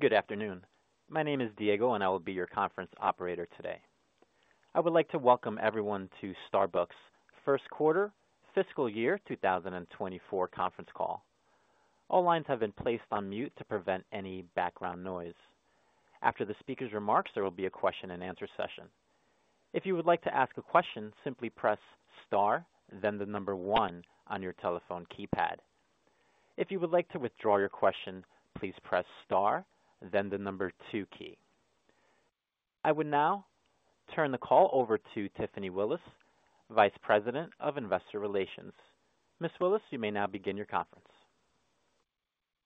Good afternoon. My name is Diego, and I will be your conference operator today. I would like to welcome everyone to Starbucks first quarter fiscal year 2024 conference call. All lines have been placed on mute to prevent any background noise. After the speaker's remarks, there will be a question and answer session. If you would like to ask a question, simply press star, then the number one on your telephone keypad. If you would like to withdraw your question, please press star, then the number two key. I would now turn the call over to Tiffany Willis, Vice President of Investor Relations. Ms. Willis, you may now begin your conference.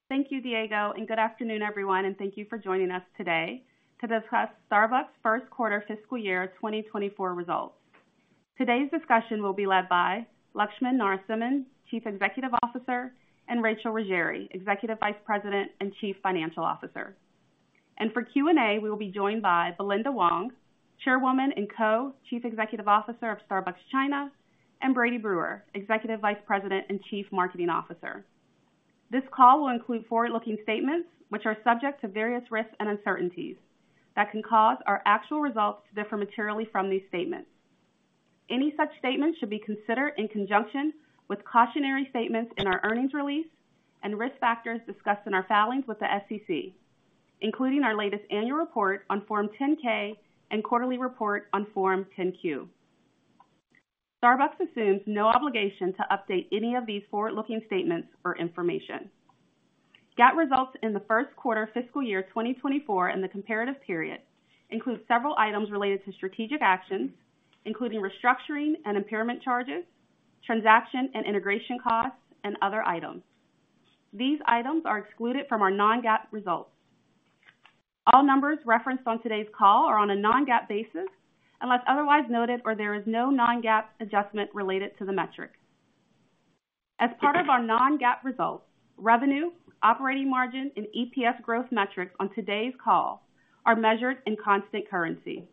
Thank you, Diego, and good afternoon, everyone, and thank you for joining us today to discuss Starbucks first quarter fiscal year 2024 results. Today's discussion will be led by Laxman Narasimhan, Chief Executive Officer, and Rachel Ruggeri, Executive Vice President and Chief Financial Officer. For Q&A, we will be joined by Belinda Wong, Chairwoman and Co-Chief Executive Officer of Starbucks China, and Brady Brewer, Executive Vice President and Chief Marketing Officer. This call will include forward-looking statements which are subject to various risks and uncertainties that can cause our actual results to differ materially from these statements. Any such statements should be considered in conjunction with cautionary statements in our earnings release and risk factors discussed in our filings with the SEC, including our latest annual report on Form 10-K and quarterly report on Form 10-Q. Starbucks assumes no obligation to update any of these forward-looking statements or information. GAAP results in the first quarter fiscal year 2024 and the comparative period include several items related to strategic actions, including restructuring and impairment charges, transaction and integration costs, and other items. These items are excluded from our non-GAAP results. All numbers referenced on today's call are on a non-GAAP basis, unless otherwise noted, or there is no non-GAAP adjustment related to the metric. As part of our non-GAAP results, revenue, operating margin, and EPS growth metrics on today's call are measured in constant currency.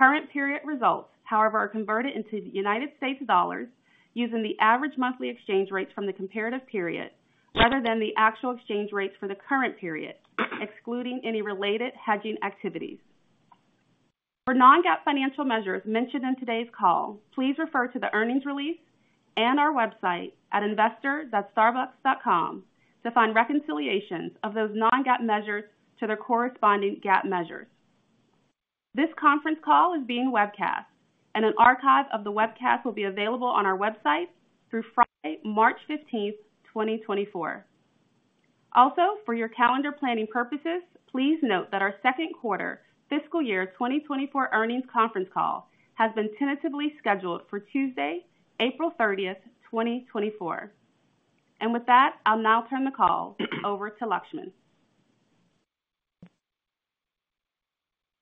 Current period results, however, are converted into United States dollars using the average monthly exchange rates from the comparative period rather than the actual exchange rates for the current period, excluding any related hedging activities. For non-GAAP financial measures mentioned in today's call, please refer to the earnings release and our website at investor.starbucks.com to find reconciliations of those non-GAAP measures to their corresponding GAAP measures. This conference call is being webcast, and an archive of the webcast will be available on our website through Friday, March 15th, 2024. Also, for your calendar planning purposes, please note that our second quarter fiscal year 2024 earnings conference call has been tentatively scheduled for Tuesday, April 30th, 2024. With that, I'll now turn the call over to Laxman.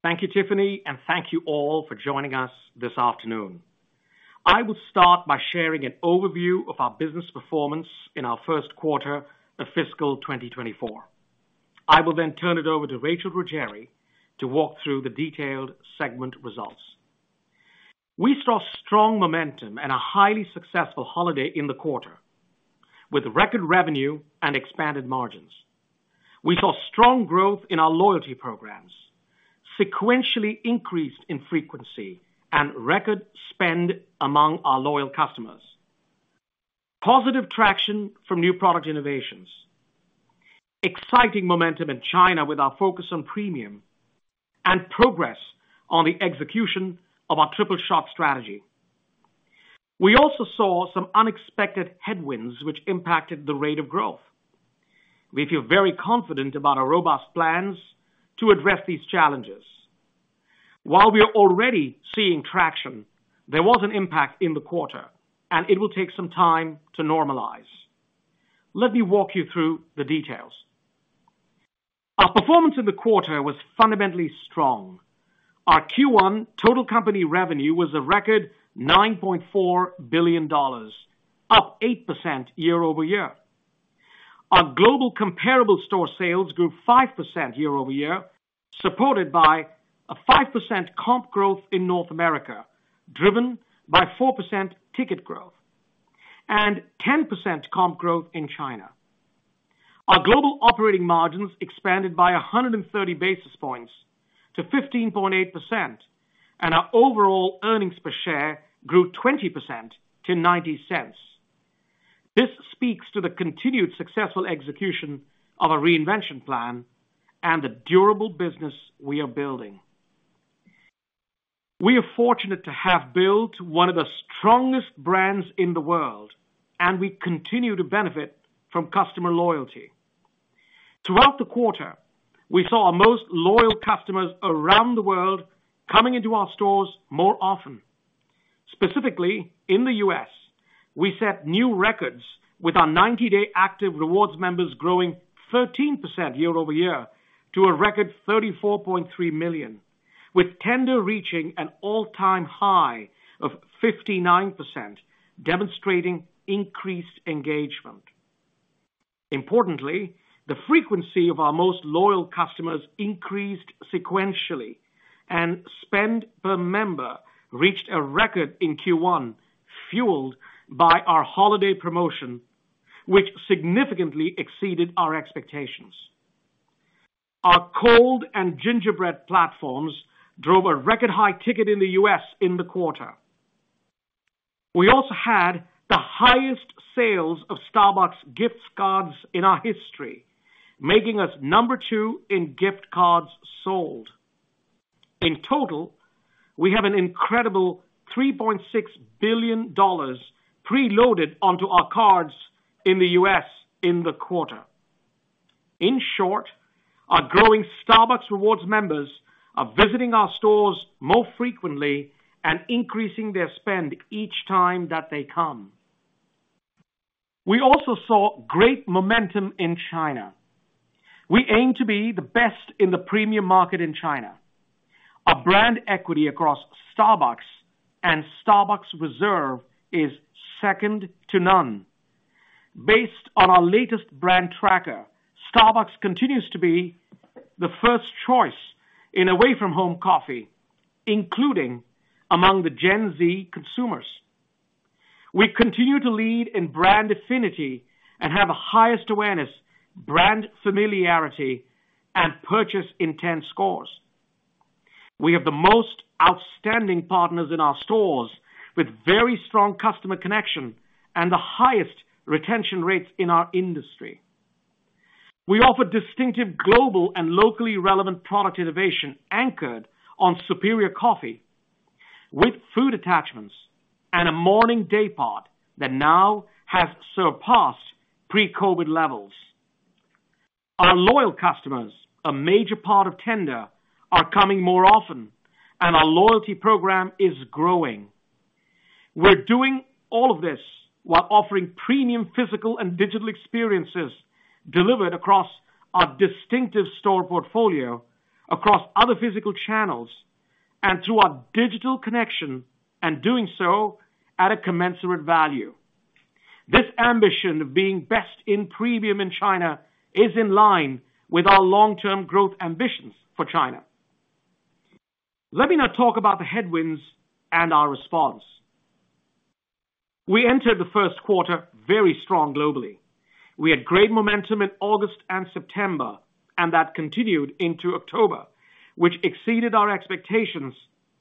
Thank you, Tiffany, and thank you all for joining us this afternoon. I will start by sharing an overview of our business performance in our first quarter of fiscal 2024. I will then turn it over to Rachel Ruggeri to walk through the detailed segment results. We saw strong momentum and a highly successful holiday in the quarter, with record revenue and expanded margins. We saw strong growth in our loyalty programs, sequentially increased in frequency and record spend among our loyal customers. Positive traction from new product innovations, exciting momentum in China with our focus on premium, and progress on the execution of our Triple Shot Strategy. We also saw some unexpected headwinds which impacted the rate of growth. We feel very confident about our robust plans to address these challenges. While we are already seeing traction, there was an impact in the quarter, and it will take some time to normalize. Let me walk you through the details. Our performance in the quarter was fundamentally strong. Our Q1 total company revenue was a record $9.4 billion, up 8% year-over-year. Our global comparable store sales grew 5% year-over-year, supported by a 5% comp growth in North America, driven by 4% ticket growth and 10% comp growth in China. Our global operating margins expanded by 130 basis points to 15.8%, and our overall earnings per share grew 20% to $0.90. This speaks to the continued successful execution of our Reinvention Plan and the durable business we are building. We are fortunate to have built one of the strongest brands in the world, and we continue to benefit from customer loyalty. Throughout the quarter, we saw our most loyal customers around the world coming into our stores more often. Specifically, in the U.S., we set new records with our 90-day active rewards members growing 13% year-over-year to a record 34.3 million, with tender reaching an all-time high of 59%, demonstrating increased engagement. Importantly, the frequency of our most loyal customers increased sequentially and spend per member reached a record in Q1, fueled by our holiday promotion, which significantly exceeded our expectations. Our cold and gingerbread platforms drove a record high ticket in the U.S. in the quarter. We also had the highest sales of Starbucks gift cards in our history, making us number two in gift cards sold. In total, we have an incredible $3.6 billion preloaded onto our cards in the U.S. in the quarter. In short, our growing Starbucks Rewards members are visiting our stores more frequently and increasing their spend each time that they come. We also saw great momentum in China. We aim to be the best in the premium market in China. Our brand equity across Starbucks and Starbucks Reserve is second to none. Based on our latest brand tracker, Starbucks continues to be the first choice in away-from-home coffee, including among the Gen Z consumers. We continue to lead in brand affinity and have the highest awareness, brand familiarity, and purchase intent scores. We have the most outstanding partners in our stores, with very strong customer connection and the highest retention rates in our industry. We offer distinctive global and locally relevant product innovation anchored on superior coffee, with food attachments and a morning daypart that now has surpassed pre-COVID levels. Our loyal customers, a major part of tender, are coming more often, and our loyalty program is growing. We're doing all of this while offering premium physical and digital experiences delivered across our distinctive store portfolio, across other physical channels, and through our digital connection, and doing so at a commensurate value. This ambition of being best in premium in China is in line with our long-term growth ambitions for China. Let me now talk about the headwinds and our response. We entered the first quarter very strong globally. We had great momentum in August and September, and that continued into October, which exceeded our expectations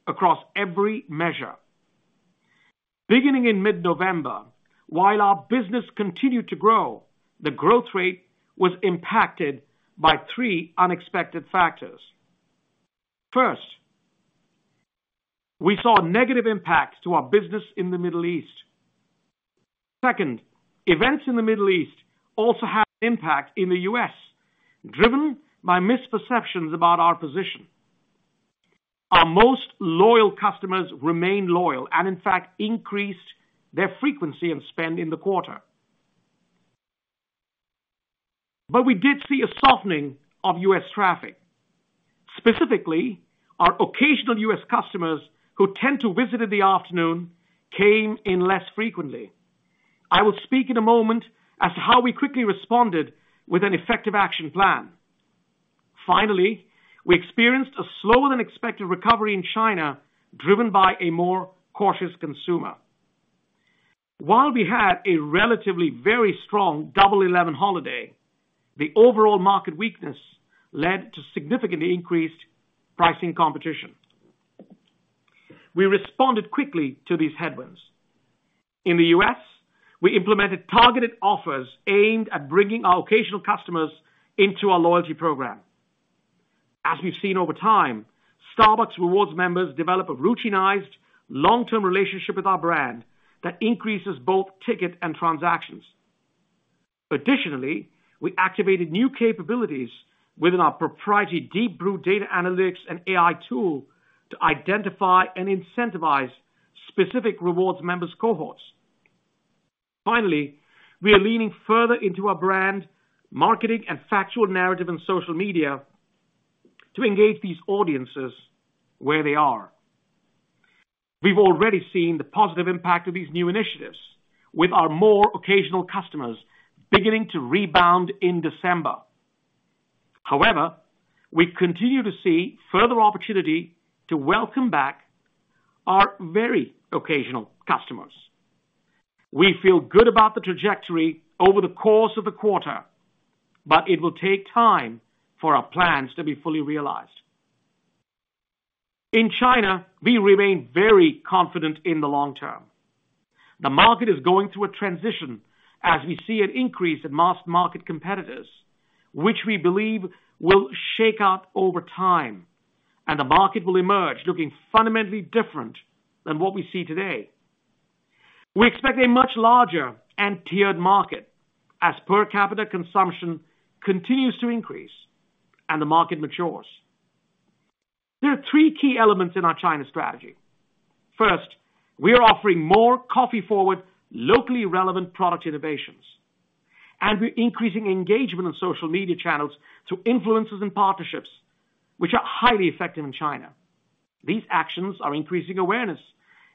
across every measure. Beginning in mid-November, while our business continued to grow, the growth rate was impacted by three unexpected factors. First, we saw negative impacts to our business in the Middle East. Second, events in the Middle East also had impact in the U.S., driven by misperceptions about our position. Our most loyal customers remained loyal and, in fact, increased their frequency and spend in the quarter. But we did see a softening of U.S. traffic. Specifically, our occasional U.S. customers who tend to visit in the afternoon, came in less frequently. I will speak in a moment as to how we quickly responded with an effective action plan. Finally, we experienced a slower-than-expected recovery in China, driven by a more cautious consumer. While we had a relatively very strong Double Eleven holiday, the overall market weakness led to significantly increased pricing competition. We responded quickly to these headwinds. In the U.S., we implemented targeted offers aimed at bringing our occasional customers into our loyalty program. As we've seen over time, Starbucks Rewards members develop a routinized, long-term relationship with our brand that increases both ticket and transactions. Additionally, we activated new capabilities within our proprietary Deep Brew data analytics and AI tool to identify and incentivize specific Rewards members cohorts. Finally, we are leaning further into our brand, marketing and factual narrative and social media to engage these audiences where they are. We've already seen the positive impact of these new initiatives, with our more occasional customers beginning to rebound in December. However, we continue to see further opportunity to welcome back our very occasional customers. We feel good about the trajectory over the course of the quarter, but it will take time for our plans to be fully realized. In China, we remain very confident in the long term. The market is going through a transition as we see an increase in mass market competitors, which we believe will shake out over time, and the market will emerge looking fundamentally different than what we see today. We expect a much larger and tiered market as per capita consumption continues to increase and the market matures. There are three key elements in our China strategy. First, we are offering more coffee-forward, locally relevant product innovations, and we're increasing engagement on social media channels through influencers and partnerships, which are highly effective in China. These actions are increasing awareness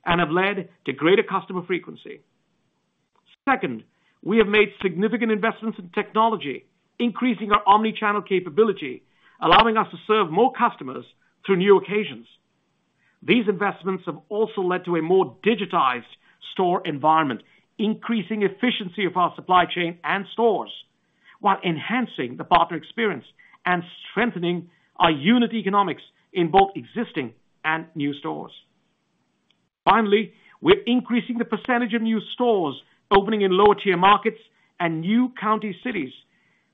and have led to greater customer frequency. Second, we have made significant investments in technology, increasing our omni-channel capability, allowing us to serve more customers through new occasions. These investments have also led to a more digitized store environment, increasing efficiency of our supply chain and stores, while enhancing the partner experience and strengthening our unit economics in both existing and new stores. Finally, we're increasing the percentage of new stores opening in lower-tier markets and new county cities,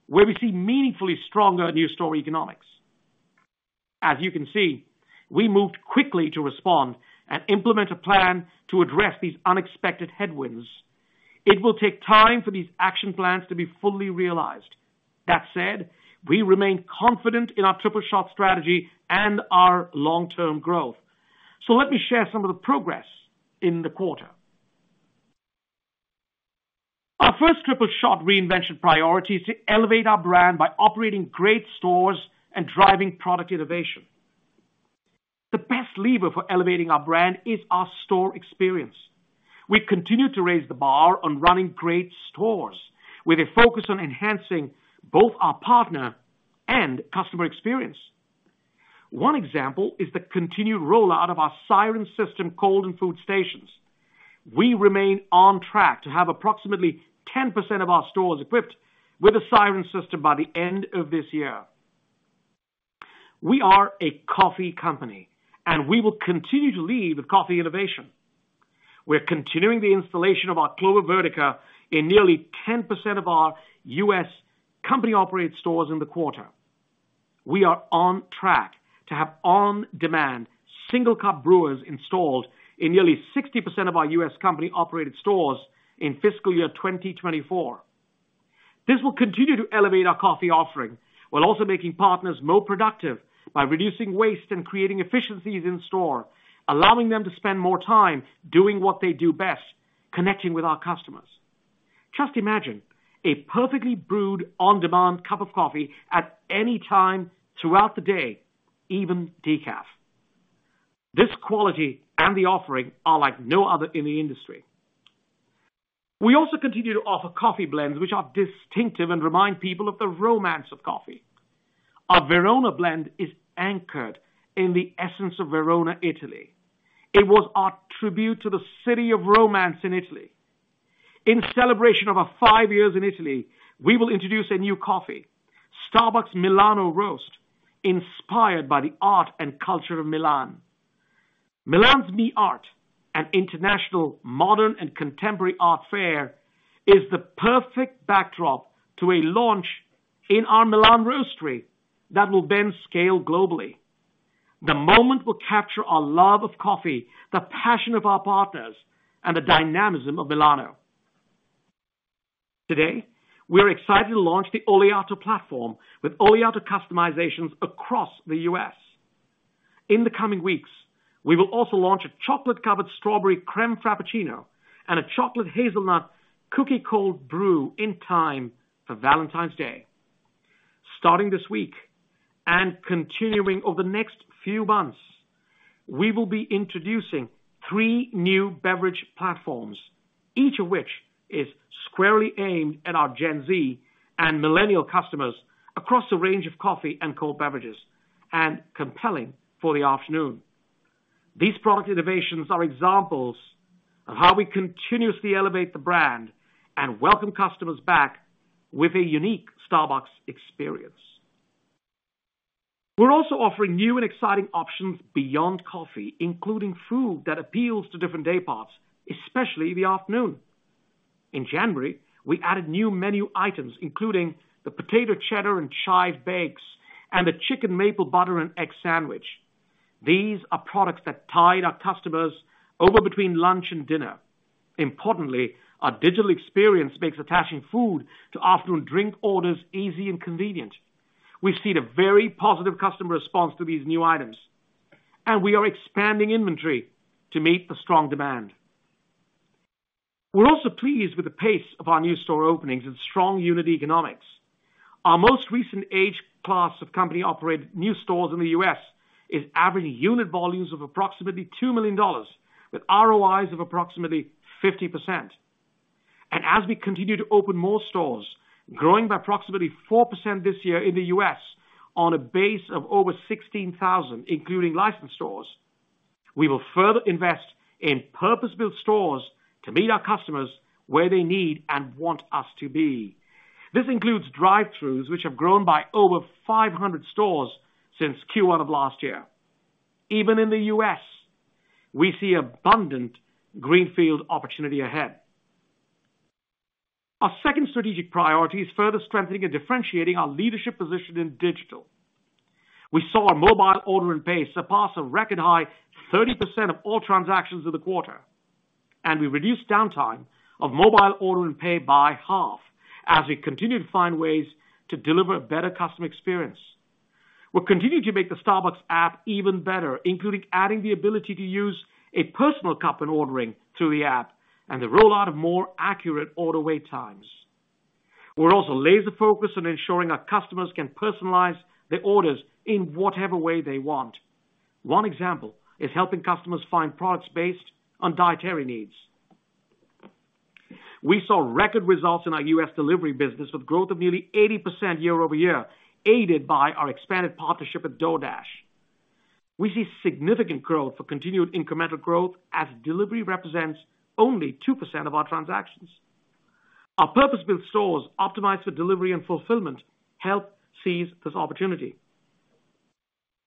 where we see meaningfully stronger new store economics. As you can see, we moved quickly to respond and implement a plan to address these unexpected headwinds. It will take time for these action plans to be fully realized. That said, we remain confident in our Triple Shot Strategy and our long-term growth. So let me share some of the progress in the quarter. Our first Triple Shot Reinvention priority is to elevate our brand by operating great stores and driving product innovation. The best lever for elevating our brand is our store experience. We continue to raise the bar on running great stores, with a focus on enhancing both our partner and customer experience. One example is the continued rollout of our Siren System cold and food stations. We remain on track to have approximately 10% of our stores equipped with a Siren System by the end of this year. We are a coffee company, and we will continue to lead with coffee innovation. We're continuing the installation of our Clover Vertica in nearly 10% of our U.S. company-operated stores in the quarter. We are on track to have on-demand single cup brewers installed in nearly 60% of our U.S. company-operated stores in fiscal year 2024. This will continue to elevate our coffee offering, while also making partners more productive by reducing waste and creating efficiencies in store, allowing them to spend more time doing what they do best, connecting with our customers. Just imagine a perfectly brewed, on-demand cup of coffee at any time throughout the day, even decaf. This quality and the offering are like no other in the industry. We also continue to offer coffee blends which are distinctive and remind people of the romance of coffee. Our Verona Blend is anchored in the essence of Verona, Italy. It was our tribute to the city of romance in Italy. In celebration of our five years in Italy, we will introduce a new coffee, Starbucks Milano Roast, inspired by the art and culture of Milan. Milan's Miart, an International, modern, and contemporary art fair, is the perfect backdrop to a launch in our Milan roastery that will then scale globally. The moment will capture our love of coffee, the passion of our partners, and the dynamism of Milano. Today, we are excited to launch the Oleato platform with Oleato customizations across the U.S. In the coming weeks, we will also launch a Chocolate Covered Strawberry Crème Frappuccino and a Chocolate Hazelnut Cookie Cold Brew in time for Valentine's Day. Starting this week and continuing over the next few months, we will be introducing three new beverage platforms, each of which is squarely aimed at our Gen Z and millennial customers across a range of coffee and cold beverages, and compelling for the afternoon. These product innovations are examples of how we continuously elevate the brand and welcome customers back with a unique Starbucks experience. We're also offering new and exciting options beyond coffee, including food that appeals to different dayparts, especially the afternoon. In January, we added new menu items, including the Potato Cheddar and Chive Bakes and the Chicken Maple Butter and Egg Sandwich. These are products that tide our customers over between lunch and dinner. Importantly, our digital experience makes attaching food to afternoon drink orders easy and convenient. We've seen a very positive customer response to these new items, and we are expanding inventory to meet the strong demand. We're also pleased with the pace of our new store openings and strong unit economics. Our most recent age class of company-operated new stores in the U.S. is averaging unit volumes of approximately $2 million, with ROIs of approximately 50%. As we continue to open more stores, growing by approximately 4% this year in the U.S. on a base of over 16,000, including licensed stores, we will further invest in purpose-built stores to meet our customers where they need and want us to be. This includes drive-thrus, which have grown by over 500 stores since Q1 of last year. Even in the U.S., we see abundant greenfield opportunity ahead. Our second strategic priority is further strengthening and differentiating our leadership position in digital. We saw our Mobile Order and Pay surpass a record high 30% of all transactions of the quarter, and we reduced downtime of Mobile Order and Pay by half, as we continued to find ways to deliver a better customer experience. We're continuing to make the Starbucks app even better, including adding the ability to use a personal cup in ordering through the app and the rollout of more accurate order wait times. We're also laser focused on ensuring our customers can personalize their orders in whatever way they want. One example is helping customers find products based on dietary needs. We saw record results in our U.S. delivery business, with growth of nearly 80% year-over-year, aided by our expanded partnership with DoorDash. We see significant growth for continued incremental growth as delivery represents only 2% of our transactions. Our purpose-built stores optimize for delivery and fulfillment, help seize this opportunity.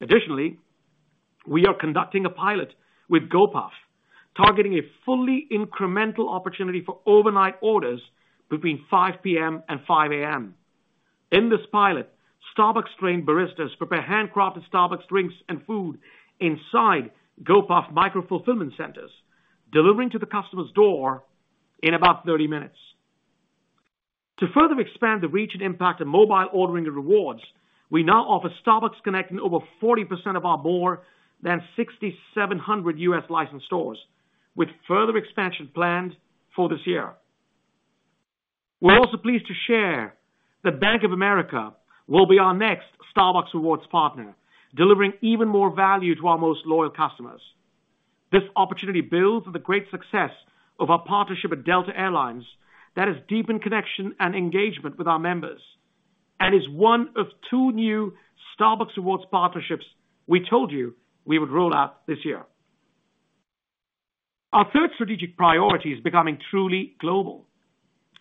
Additionally, we are conducting a pilot with Gopuff, targeting a fully incremental opportunity for overnight orders between 5:00 P.M. and 5:00 A.M. In this pilot, Starbucks-trained baristas prepare handcrafted Starbucks drinks and food inside Gopuff micro-fulfillment centers, delivering to the customer's door in about 30 minutes. To further expand the reach and impact of mobile ordering and rewards, we now offer Starbucks Connect in over 40% of our more than 6,700 U.S. licensed stores, with further expansion planned for this year. We're also pleased to share that Bank of America will be our next Starbucks Rewards partner, delivering even more value to our most loyal customers. This opportunity builds on the great success of our partnership with Delta Air Lines that has deepened connection and engagement with our members, and is one of two new Starbucks Rewards partnerships we told you we would roll out this year. Our third strategic priority is becoming truly global.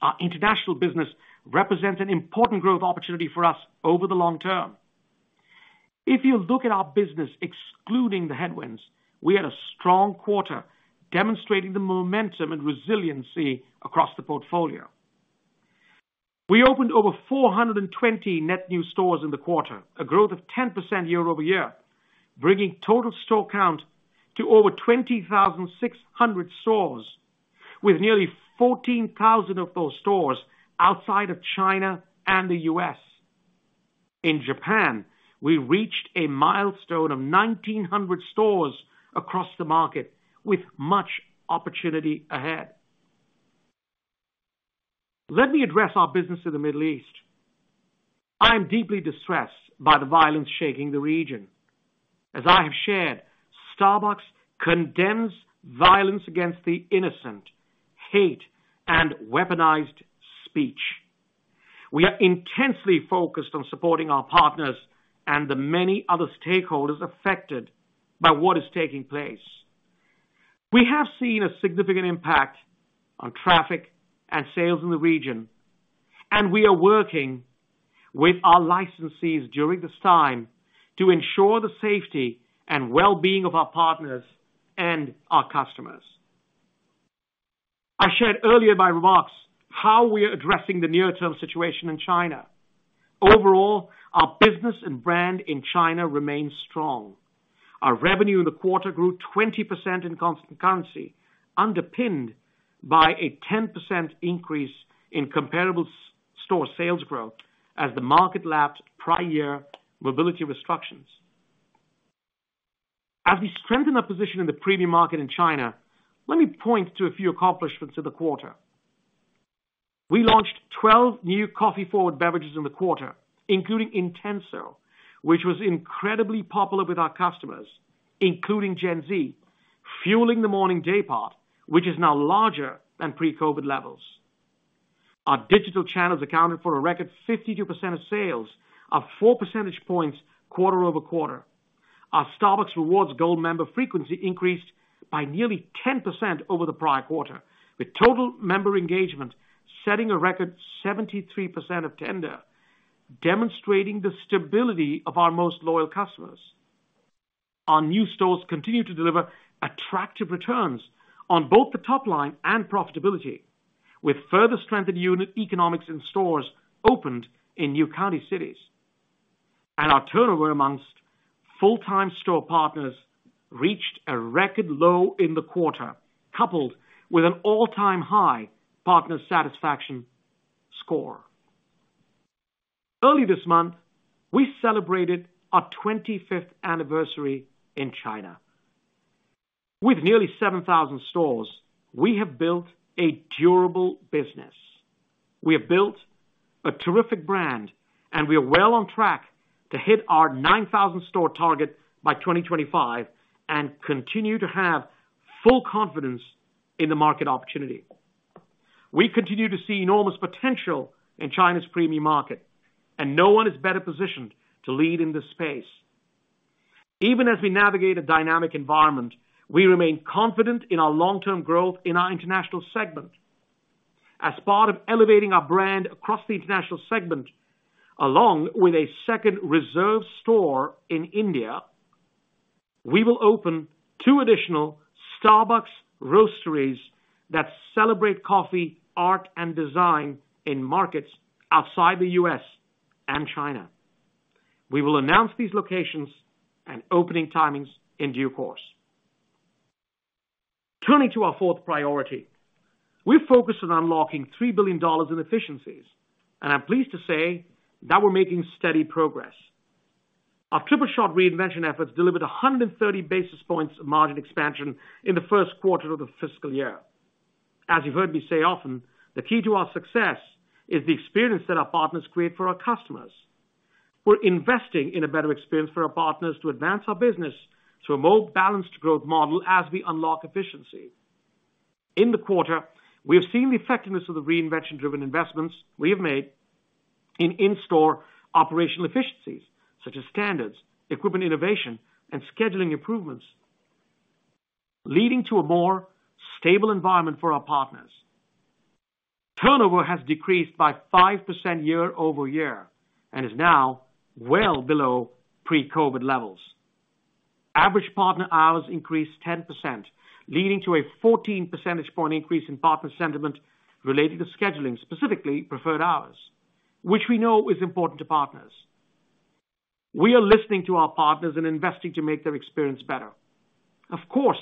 Our International business represents an important growth opportunity for us over the long term. If you look at our business, excluding the headwinds, we had a strong quarter, demonstrating the momentum and resiliency across the portfolio. We opened over 420 net new stores in the quarter, a growth of 10% year-over-year, bringing total store count to over 20,600 stores, with nearly 14,000 of those stores outside of China and the U.S. In Japan, we reached a milestone of 1,900 stores across the market with much opportunity ahead. Let me address our business in the Middle East. I am deeply distressed by the violence shaking the region. As I have shared, Starbucks condemns violence against the innocent, hate, and weaponized speech. We are intensely focused on supporting our partners and the many other stakeholders affected by what is taking place. We have seen a significant impact on traffic and sales in the region, and we are working with our licensees during this time to ensure the safety and well-being of our partners and our customers. I shared earlier in my remarks how we are addressing the near-term situation in China. Overall, our business and brand in China remains strong. Our revenue in the quarter grew 20% in constant currency, underpinned by a 10% increase in comparable store sales growth as the market lapsed prior year mobility restrictions. As we strengthen our position in the premium market in China, let me point to a few accomplishments of the quarter. We launched 12 new coffee-forward beverages in the quarter, including Intenso, which was incredibly popular with our customers, including Gen Z, fueling the morning daypart, which is now larger than pre-COVID levels. Our digital channels accounted for a record 52% of sales, up four percentage points quarter-over-quarter. Our Starbucks Rewards Gold member frequency increased by nearly 10% over the prior quarter, with total member engagement setting a record 73% of tender, demonstrating the stability of our most loyal customers. Our new stores continue to deliver attractive returns on both the top line and profitability, with further strengthened unit economics in stores opened in new county cities. And our turnover amongst full-time store partners reached a record low in the quarter, coupled with an all-time high partner satisfaction score. Early this month, we celebrated our 25th anniversary in China. With nearly 7,000 stores, we have built a durable business. We have built a terrific brand, and we are well on track to hit our 9,000 store target by 2025 and continue to have full confidence in the market opportunity. We continue to see enormous potential in China's premium market, and no one is better positioned to lead in this space. Even as we navigate a dynamic environment, we remain confident in our long-term growth in our International segment. As part of elevating our brand across the International segment, along with a second Reserve store in India, we will open two additional Starbucks roasteries that celebrate coffee, art, and design in markets outside the U.S. and China. We will announce these locations and opening timings in due course. Turning to our fourth priority, we're focused on unlocking $3 billion in efficiencies, and I'm pleased to say that we're making steady progress. Our Triple Shot Reinvention efforts delivered 100 basis points of margin expansion in the first quarter of the fiscal year. As you've heard me say often, the key to our success is the experience that our partners create for our customers. We're investing in a better experience for our partners to advance our business to a more balanced growth model as we unlock efficiency. In the quarter, we have seen the effectiveness of the reinvention-driven investments we have made in in-store operational efficiencies, such as standards, equipment, innovation, and scheduling improvements, leading to a more stable environment for our partners. Turnover has decreased by 5% year-over-year and is now well below pre-COVID levels. Average partner hours increased 10%, leading to a 14 percentage point increase in partner sentiment related to scheduling, specifically preferred hours, which we know is important to partners. We are listening to our partners and investing to make their experience better. Of course,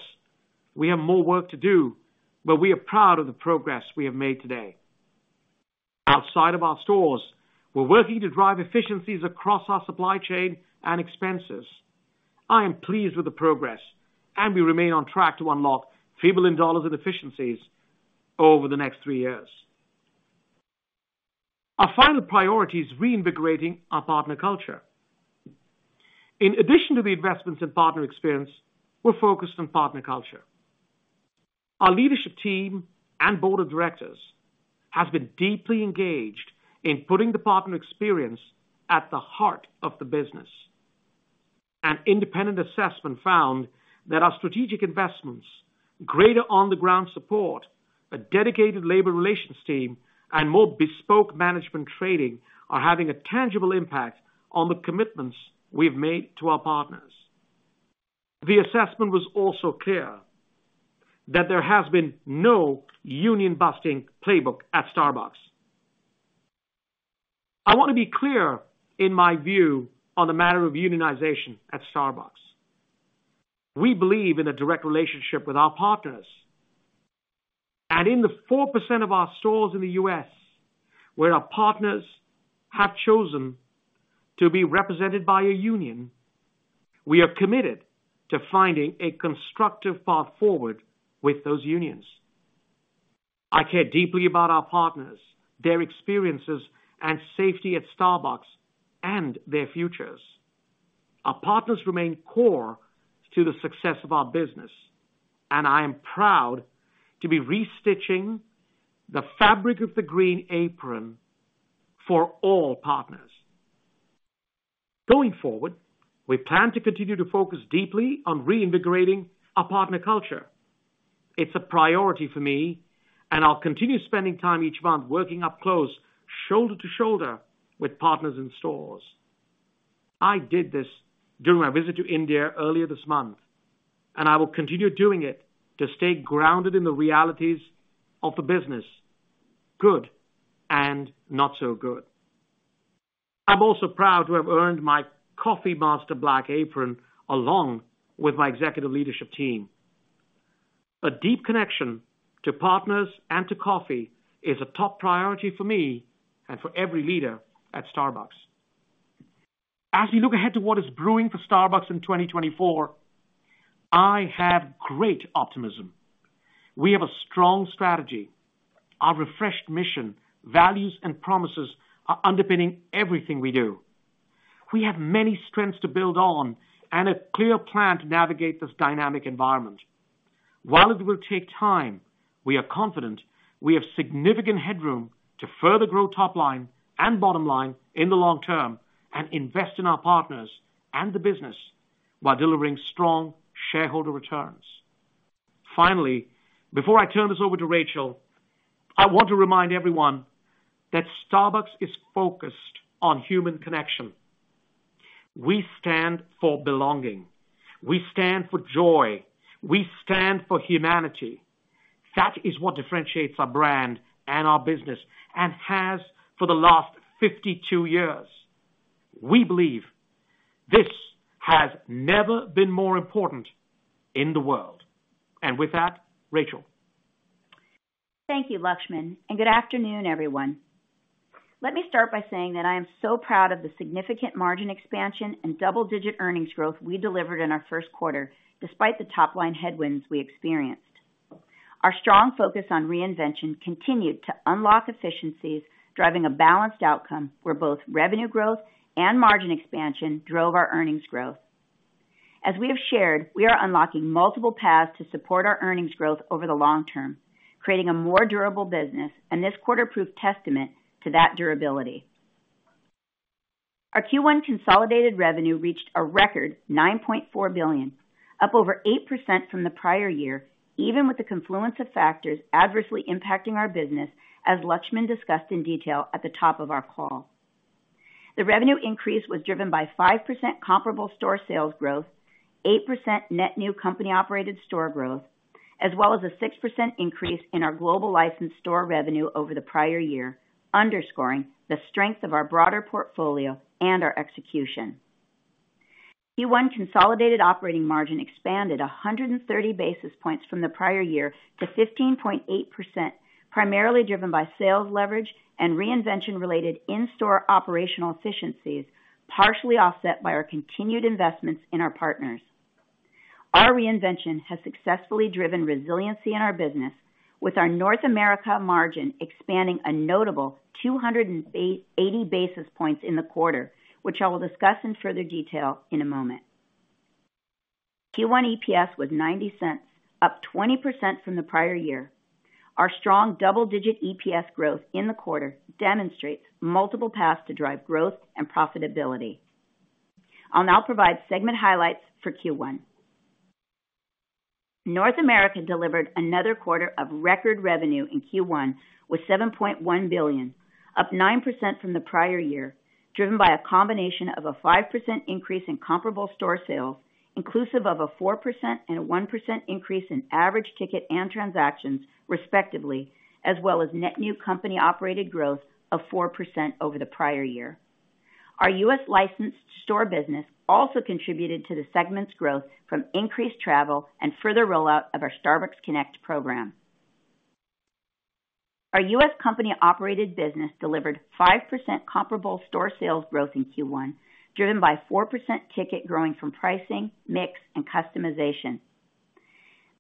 we have more work to do, but we are proud of the progress we have made today. Outside of our stores, we're working to drive efficiencies across our supply chain and expenses. I am pleased with the progress, and we remain on track to unlock $3 billion in efficiencies over the next three years. Our final priority is reinvigorating our partner culture. In addition to the investments in partner experience, we're focused on partner culture. Our leadership team and board of directors has been deeply engaged in putting the partner experience at the heart of the business. An independent assessment found that our strategic investments, greater on-the-ground support, a dedicated labor relations team, and more bespoke management training are having a tangible impact on the commitments we've made to our partners. The assessment was also clear that there has been no union-busting playbook at Starbucks. I want to be clear in my view on the matter of unionization at Starbucks. We believe in a direct relationship with our partners, and in the 4% of our stores in the U.S. where our partners have chosen to be represented by a union, we are committed to finding a constructive path forward with those unions. I care deeply about our partners, their experiences and safety at Starbucks, and their futures. Our partners remain core to the success of our business, and I am proud to be restitching the fabric of the green apron for all partners. Going forward, we plan to continue to focus deeply on reinvigorating our partner culture. It's a priority for me, and I'll continue spending time each month working up close, shoulder to shoulder, with partners in stores. I did this during my visit to India earlier this month, and I will continue doing it to stay grounded in the realities of the business, good and not so good. I'm also proud to have earned my Coffee Master black apron, along with my executive leadership team. A deep connection to partners and to coffee is a top priority for me and for every leader at Starbucks. As we look ahead to what is brewing for Starbucks in 2024, I have great optimism. We have a strong strategy. Our refreshed mission, values, and promises are underpinning everything we do. We have many strengths to build on and a clear plan to navigate this dynamic environment. While it will take time, we are confident we have significant headroom to further grow top line and bottom line in the long term and invest in our partners and the business while delivering strong shareholder returns. Finally, before I turn this over to Rachel, I want to remind everyone that Starbucks is focused on human connection. We stand for belonging, we stand for joy, we stand for humanity. That is what differentiates our brand and our business and has for the last 52 years. We believe this has never been more important in the world. With that, Rachel. Thank you, Laxman, and good afternoon, everyone. Let me start by saying that I am so proud of the significant margin expansion and double-digit earnings growth we delivered in our first quarter, despite the top-line headwinds we experienced. Our strong focus on reinvention continued to unlock efficiencies, driving a balanced outcome where both revenue growth and margin expansion drove our earnings growth. As we have shared, we are unlocking multiple paths to support our earnings growth over the long term, creating a more durable business, and this quarter proved testament to that durability. Our Q1 consolidated revenue reached a record $9.4 billion, up over 8% from the prior year, even with the confluence of factors adversely impacting our business, as Laxman discussed in detail at the top of our call. The revenue increase was driven by 5% comparable store sales growth, 8% net new company-operated store growth, as well as a 6% increase in our global licensed store revenue over the prior year, underscoring the strength of our broader portfolio and our execution. Q1 consolidated operating margin expanded 130 basis points from the prior year to 15.8%, primarily driven by sales leverage and reinvention-related in-store operational efficiencies, partially offset by our continued investments in our partners. Our reinvention has successfully driven resiliency in our business, with our North America margin expanding a notable 280 basis points in the quarter, which I will discuss in further detail in a moment. Q1 EPS was $0.90, up 20% from the prior year. Our strong double-digit EPS growth in the quarter demonstrates multiple paths to drive growth and profitability. I'll now provide segment highlights for Q1. North America delivered another quarter of record revenue in Q1, with $7.1 billion, up 9% from the prior year, driven by a combination of a 5% increase in comparable store sales, inclusive of a 4% and a 1% increase in average ticket and transactions, respectively, as well as net new company-operated growth of 4% over the prior year. Our U.S. licensed store business also contributed to the segment's growth from increased travel and further rollout of our Starbucks Connect program. Our U.S. company-operated business delivered 5% comparable store sales growth in Q1, driven by 4% ticket growing from pricing, mix, and customization.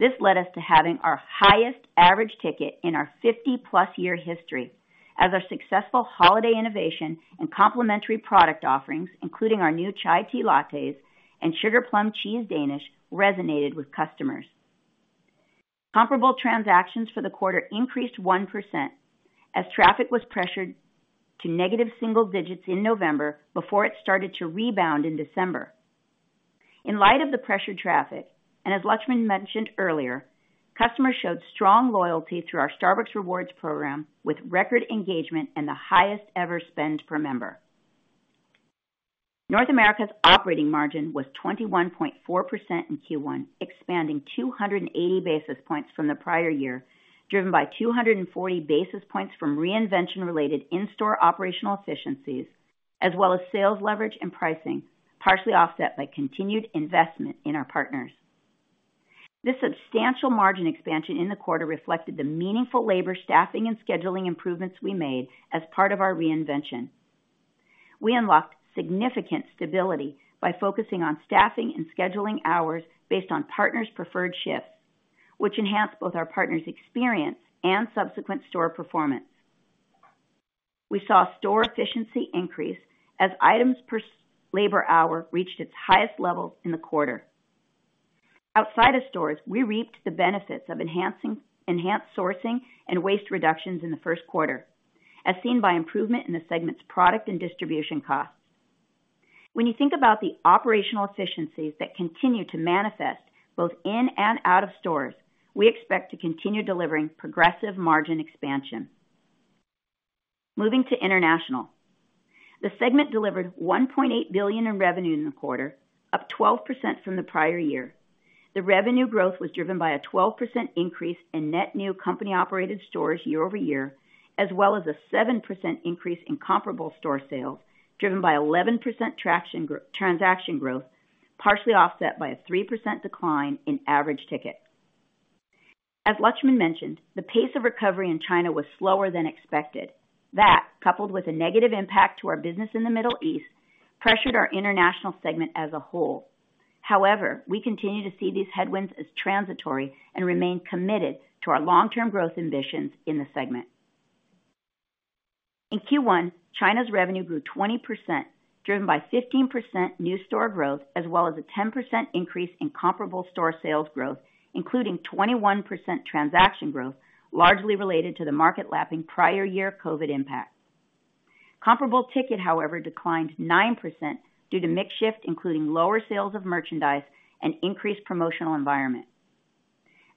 This led us to having our highest average ticket in our 50+ year history, as our successful holiday innovation and complimentary product offerings, including our new Chai Tea Lattes and Sugar Plum Cheese Danish, resonated with customers. Comparable transactions for the quarter increased 1%, as traffic was pressured to negative single digits in November before it started to rebound in December. In light of the pressured traffic, and as Laxman mentioned earlier, customers showed strong loyalty through our Starbucks Rewards program, with record engagement and the highest-ever spend per member. North America's operating margin was 21.4% in Q1, expanding 280 basis points from the prior year, driven by 240 basis points from reinvention-related in-store operational efficiencies, as well as sales leverage and pricing, partially offset by continued investment in our partners. This substantial margin expansion in the quarter reflected the meaningful labor, staffing, and scheduling improvements we made as part of our reinvention. We unlocked significant stability by focusing on staffing and scheduling hours based on partners' preferred shifts, which enhanced both our partners' experience and subsequent store performance. We saw store efficiency increase as items per labor hour reached its highest levels in the quarter. Outside of stores, we reaped the benefits of enhanced sourcing and waste reductions in the first quarter, as seen by improvement in the segment's product and distribution costs. When you think about the operational efficiencies that continue to manifest both in and out of stores, we expect to continue delivering progressive margin expansion. Moving to International. The segment delivered $1.8 billion in revenue in the quarter, up 12% from the prior year. The revenue growth was driven by a 12% increase in net new company-operated stores year-over-year, as well as a 7% increase in comparable store sales, driven by 11% transaction growth, partially offset by a 3% decline in average ticket. As Laxman mentioned, the pace of recovery in China was slower than expected. That, coupled with a negative impact to our business in the Middle East, pressured our International segment as a whole. However, we continue to see these headwinds as transitory and remain committed to our long-term growth ambitions in the segment. In Q1, China's revenue grew 20%, driven by 15% new store growth, as well as a 10% increase in comparable store sales growth, including 21% transaction growth, largely related to the market lapping prior year COVID impact. Comparable ticket, however, declined 9% due to mix shift, including lower sales of merchandise and increased promotional environment.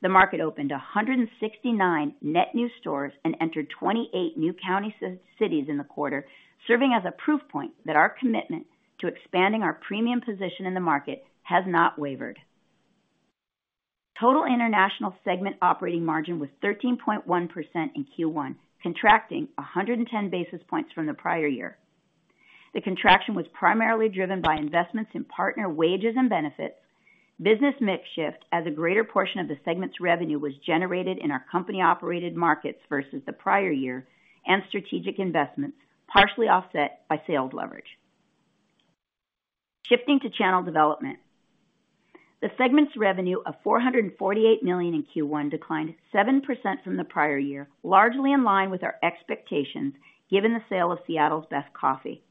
The market opened 169 net new stores and entered 28 new countries in the quarter, serving as a proof point that our commitment to expanding our premium position in the market has not wavered. Total International segment operating margin was 13.1% in Q1, contracting 110 basis points from the prior year. The contraction was primarily driven by investments in partner wages and benefits, business mix shift, as a greater portion of the segment's revenue was generated in our company-operated markets versus the prior year, and strategic investments, partially offset by sales leverage. Shifting to Channel Development. The segment's revenue of $448 million in Q1 declined 7% from the prior year, largely in line with our expectations, given the sale of Seattle's Best Coffee.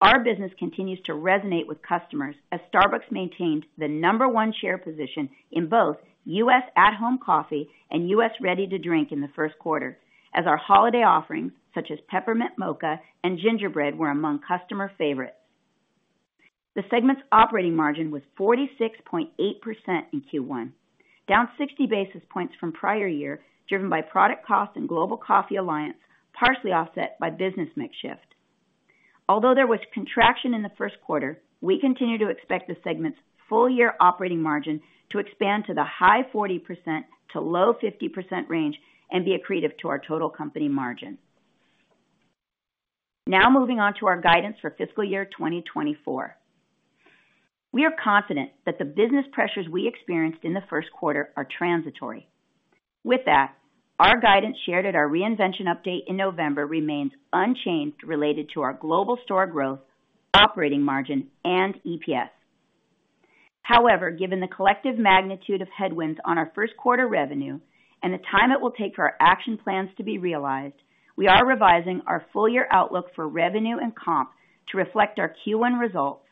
Our business continues to resonate with customers, as Starbucks maintained the number one share position in both U.S. at-home coffee and U.S. ready-to-drink in the first quarter, as our holiday offerings, such as Peppermint Mocha and Gingerbread, were among customer favorites. The segment's operating margin was 46.8% in Q1, down 60 basis points from prior year, driven by product costs and Global Coffee Alliance, partially offset by business mix shift. Although there was contraction in the first quarter, we continue to expect the segment's full-year operating margin to expand to the high 40% to low 50% range and be accretive to our total company margin. Now moving on to our guidance for fiscal year 2024. We are confident that the business pressures we experienced in the first quarter are transitory. With that, our guidance, shared at our reinvention update in November, remains unchanged related to our global store growth, operating margin, and EPS. However, given the collective magnitude of headwinds on our first quarter revenue and the time it will take for our action plans to be realized, we are revising our full year outlook for revenue and comp to reflect our Q1 results,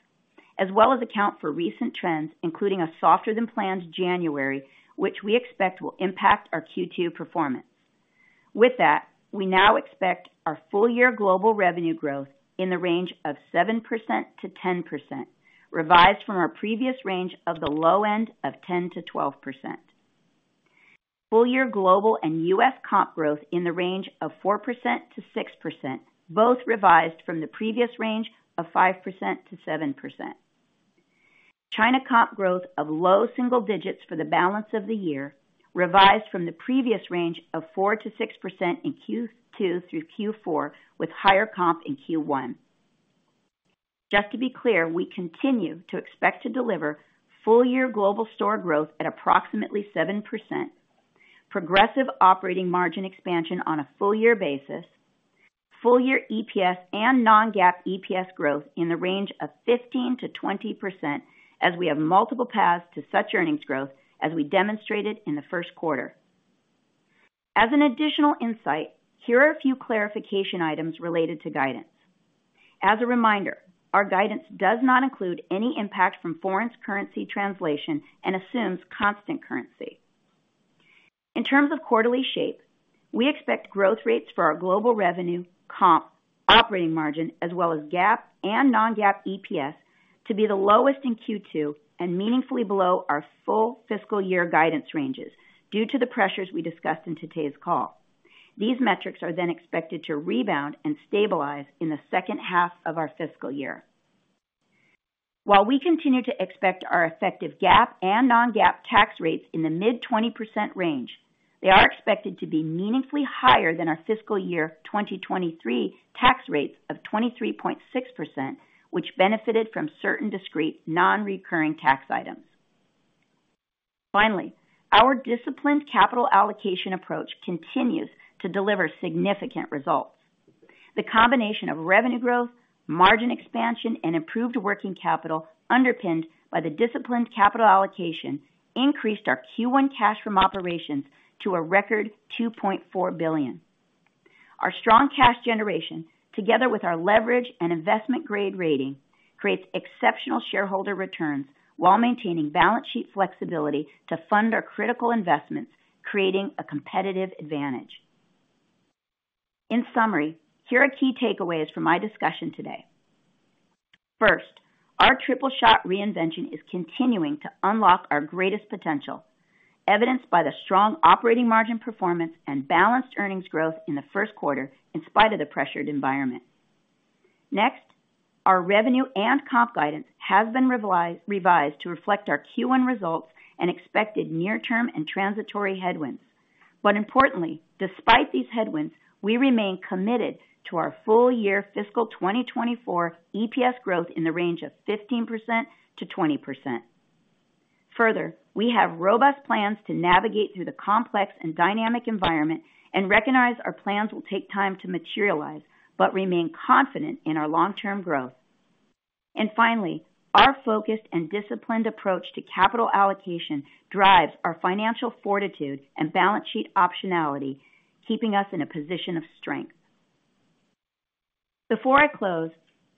as well as account for recent trends, including a softer than planned January, which we expect will impact our Q2 performance. With that, we now expect our full year global revenue growth in the range of 7%-10%, revised from our previous range of the low end of 10%-12%. Full year global and US comp growth in the range of 4%-6%, both revised from the previous range of 5%-7%. China comp growth of low single digits for the balance of the year, revised from the previous range of 4%-6% in Q2 through Q4, with higher comp in Q1. Just to be clear, we continue to expect to deliver full year global store growth at approximately 7%, progressive operating margin expansion on a full year basis, full year EPS and non-GAAP EPS growth in the range of 15%-20%, as we have multiple paths to such earnings growth as we demonstrated in the first quarter. As an additional insight, here are a few clarification items related to guidance. As a reminder, our guidance does not include any impact from foreign currency translation and assumes constant currency. In terms of quarterly shape, we expect growth rates for our global revenue, comp, operating margin, as well as GAAP and non-GAAP EPS, to be the lowest in Q2 and meaningfully below our full fiscal year guidance ranges due to the pressures we discussed in today's call. These metrics are then expected to rebound and stabilize in the second half of our fiscal year. While we continue to expect our effective GAAP and non-GAAP tax rates in the mid-20% range, they are expected to be meaningfully higher than our fiscal year 2023 tax rates of 23.6%, which benefited from certain discrete, non-recurring tax items. Finally, our disciplined capital allocation approach continues to deliver significant results. The combination of revenue growth, margin expansion and improved working capital, underpinned by the disciplined capital allocation, increased our Q1 cash from operations to a record $2.4 billion. Our strong cash generation, together with our leverage and investment grade rating, creates exceptional shareholder returns while maintaining balance sheet flexibility to fund our critical investments, creating a competitive advantage. In summary, here are key takeaways from my discussion today. First, our Triple Shot Reinvention is continuing to unlock our greatest potential, evidenced by the strong operating margin performance and balanced earnings growth in the first quarter, in spite of the pressured environment. Next, our revenue and comp guidance has been revised to reflect our Q1 results and expected near-term and transitory headwinds. But importantly, despite these headwinds, we remain committed to our full year fiscal 2024 EPS growth in the range of 15%-20%. Further, we have robust plans to navigate through the complex and dynamic environment and recognize our plans will take time to materialize, but remain confident in our long-term growth. Finally, our focused and disciplined approach to capital allocation drives our financial fortitude and balance sheet optionality, keeping us in a position of strength. Before I close,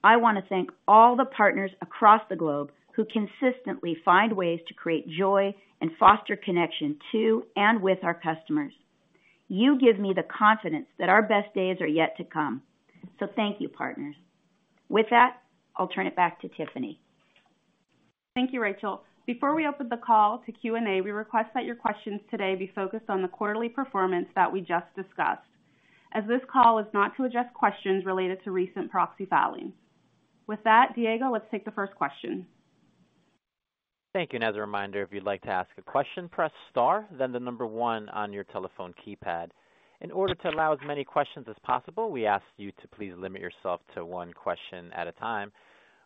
I want to thank all the partners across the globe who consistently find ways to create joy and foster connection to and with our customers. You give me the confidence that our best days are yet to come. So thank you, partners. With that, I'll turn it back to Tiffany. Thank you, Rachel. Before we open the call to Q&A, we request that your questions today be focused on the quarterly performance that we just discussed, as this call is not to address questions related to recent proxy filings. With that, Diego, let's take the first question. Thank you. And as a reminder, if you'd like to ask a question, press star, then the number one on your telephone keypad. In order to allow as many questions as possible, we ask you to please limit yourself to one question at a time.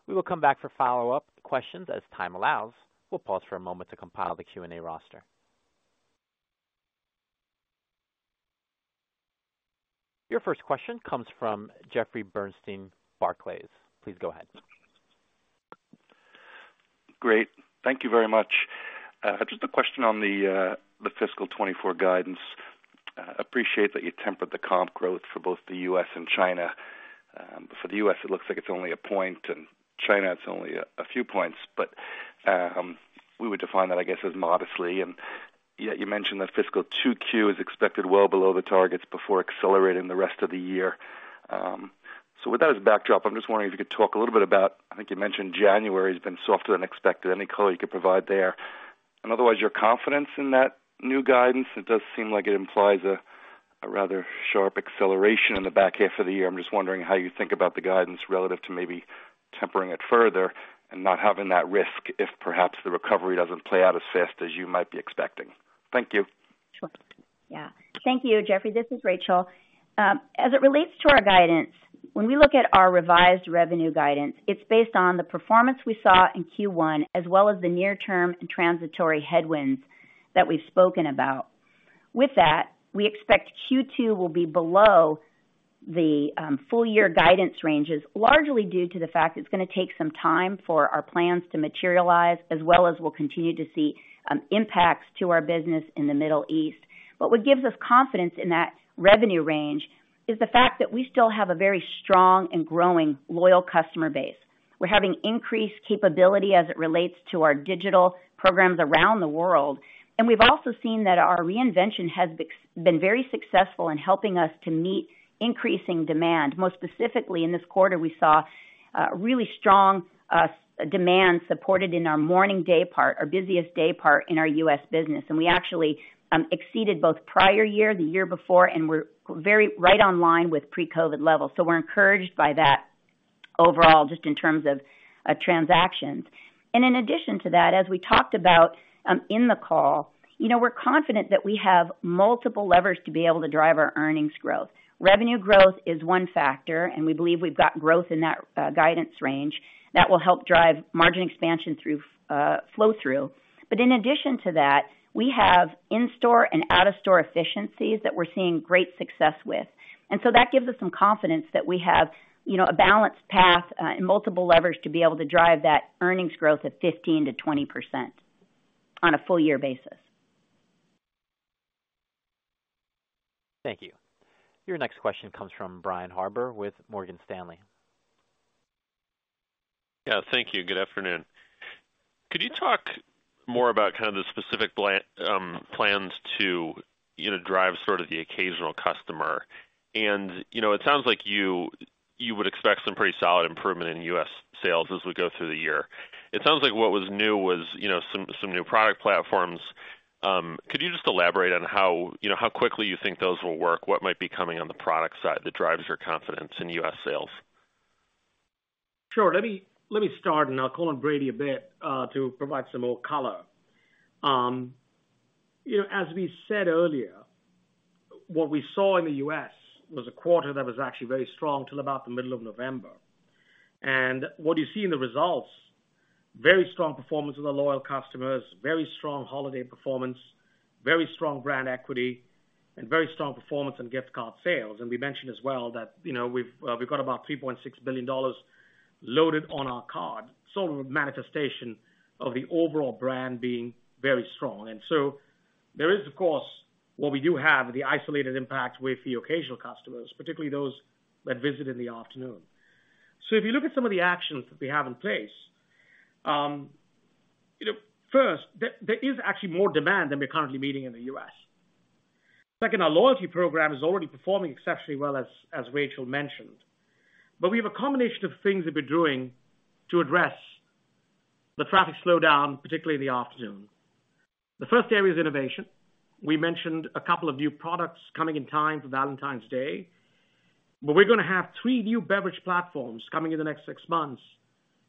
We will come back for follow-up questions as time allows. We'll pause for a moment to compile the Q&A roster. Your first question comes from Jeffrey Bernstein, Barclays. Please go ahead. Great. Thank you very much. Just a question on the fiscal 2024 guidance. Appreciate that you tempered the comp growth for both the U.S. and China. For the US, it looks like it's only one point, and China, it's only a few points, but we would define that, I guess, as modestly. And yet you mentioned that fiscal 2Q is expected well below the targets before accelerating the rest of the year. So with that as backdrop, I'm just wondering if you could talk a little bit about.I think you mentioned January has been softer than expected. Any color you could provide there? And otherwise, your confidence in that new guidance, it does seem like it implies a rather sharp acceleration in the back half of the year. I'm just wondering how you think about the guidance relative to maybe tempering it further and not having that risk if perhaps the recovery doesn't play out as fast as you might be expecting. Thank you. Sure. Yeah. Thank you, Jeffrey. This is Rachel. As it relates to our guidance, when we look at our revised revenue guidance, it's based on the performance we saw in Q1, as well as the near-term and transitory headwinds that we've spoken about. With that, we expect Q2 will be below the full year guidance ranges, largely due to the fact it's gonna take some time for our plans to materialize, as well as we'll continue to see impacts to our business in the Middle East. But what gives us confidence in that revenue range is the fact that we still have a very strong and growing loyal customer base. We're having increased capability as it relates to our digital programs around the world, and we've also seen that our reinvention has been very successful in helping us to meet increasing demand. Most specifically, in this quarter, we saw really strong demand supported in our morning daypart, our busiest daypart in our U.S. business. We actually exceeded both prior year, the year before, and we're very right on line with pre-COVID levels. We're encouraged by that overall, just in terms of transactions. In addition to that, as we talked about in the call, you know, we're confident that we have multiple levers to be able to drive our earnings growth. Revenue growth is one factor, and we believe we've got growth in that guidance range that will help drive margin expansion through flow-through. In addition to that, we have in-store and out-of-store efficiencies that we're seeing great success with. And so that gives us some confidence that we have, you know, a balanced path, and multiple levers to be able to drive that earnings growth at 15%-20% on a full year basis. Thank you. Your next question comes from Brian Harbour with Morgan Stanley. Yeah, thank you. Good afternoon. Could you talk more about kind of the specific plans to, you know, drive sort of the occasional customer? And, you know, it sounds like you, you would expect some pretty solid improvement in U.S. sales as we go through the year. It sounds like what was new was, you know, some, some new product platforms. Could you just elaborate on how, you know, how quickly you think those will work? What might be coming on the product side that drives your confidence in U.S. sales? Sure. Let me start, and I'll call on Brady a bit to provide some more color. You know, as we said earlier, what we saw in the U.S. was a quarter that was actually very strong till about the middle of November. And what you see in the results, very strong performance of the loyal customers, very strong holiday performance, very strong brand equity, and very strong performance in gift card sales. And we mentioned as well that, you know, we've we've got about $3.6 billion loaded on our card. So manifestation of the overall brand being very strong. And so there is, of course, what we do have, the isolated impact with the occasional customers, particularly those that visit in the afternoon. So if you look at some of the actions that we have in place, you know, first, there is actually more demand than we're currently meeting in the U.S. Second, our loyalty program is already performing exceptionally well, as Rachel mentioned. But we have a combination of things that we're doing to address the traffic slowdown, particularly in the afternoon. The first area is innovation. We mentioned a couple of new products coming in time for Valentine's Day, but we're gonna have three new beverage platforms coming in the next six months,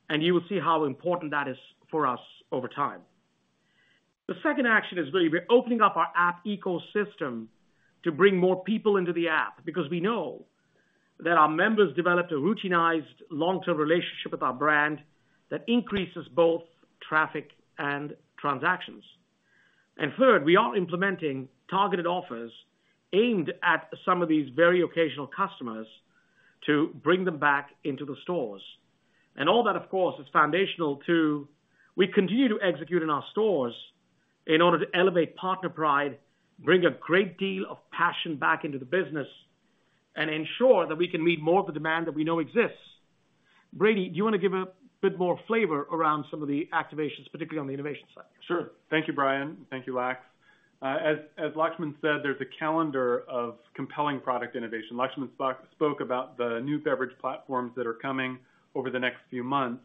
and you will see how important that is for us over time. The second action is really we're opening up our app ecosystem to bring more people into the app, because we know that our members developed a routinized long-term relationship with our brand that increases both traffic and transactions. And third, we are implementing targeted offers aimed at some of these very occasional customers to bring them back into the stores. And all that, of course, is foundational to we continue to execute in our stores in order to elevate partner pride, bring a great deal of passion back into the business, and ensure that we can meet more of the demand that we know exists. Brady, do you want to give a bit more flavor around some of the activations, particularly on the innovation side? Sure. Thank you, Brian. Thank you, Laxman. As Laxman said, there's a calendar of compelling product innovation. Laxman spoke about the new beverage platforms that are coming over the next few months.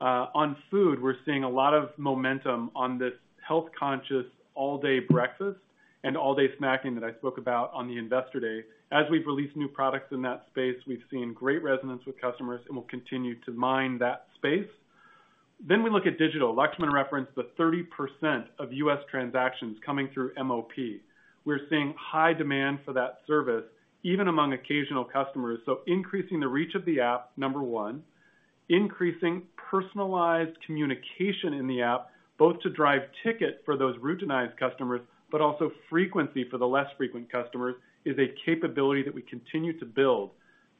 On food, we're seeing a lot of momentum on this health-conscious, all-day breakfast and all-day snacking that I spoke about on the Investor Day. As we've released new products in that space, we've seen great resonance with customers and we'll continue to mine that space. Then we look at digital. Laxman referenced the 30% of U.S. transactions coming through MOP. We're seeing high demand for that service, even among occasional customers. So increasing the reach of the app, number one, increasing personalized communication in the app, both to drive ticket for those routinized customers, but also frequency for the less frequent customers, is a capability that we continue to build.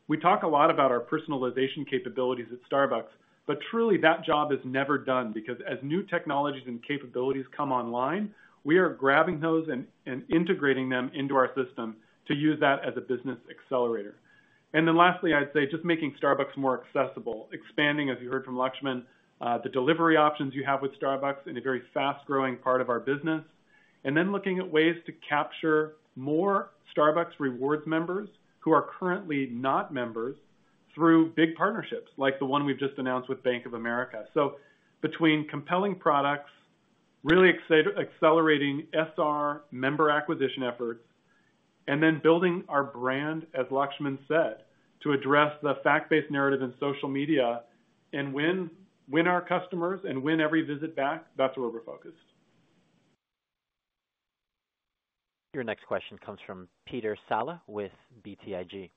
We talk a lot about our personalization capabilities at Starbucks, but truly, that job is never done because as new technologies and capabilities come online, we are grabbing those and integrating them into our system to use that as a business accelerator. And then lastly, I'd say just making Starbucks more accessible, expanding, as you heard from Laxman, the delivery options you have with Starbucks in a very fast-growing part of our business, and then looking at ways to capture more Starbucks Rewards members who are currently not members through big partnerships, like the one we've just announced with Bank of America. So between compelling products, really accelerating SR member acquisition efforts- and then building our brand, as Laxman said, to address the fact-based narrative in social media and win, win our customers and win every visit back. That's where we're focused. Your next question comes from Peter Saleh with BTIG.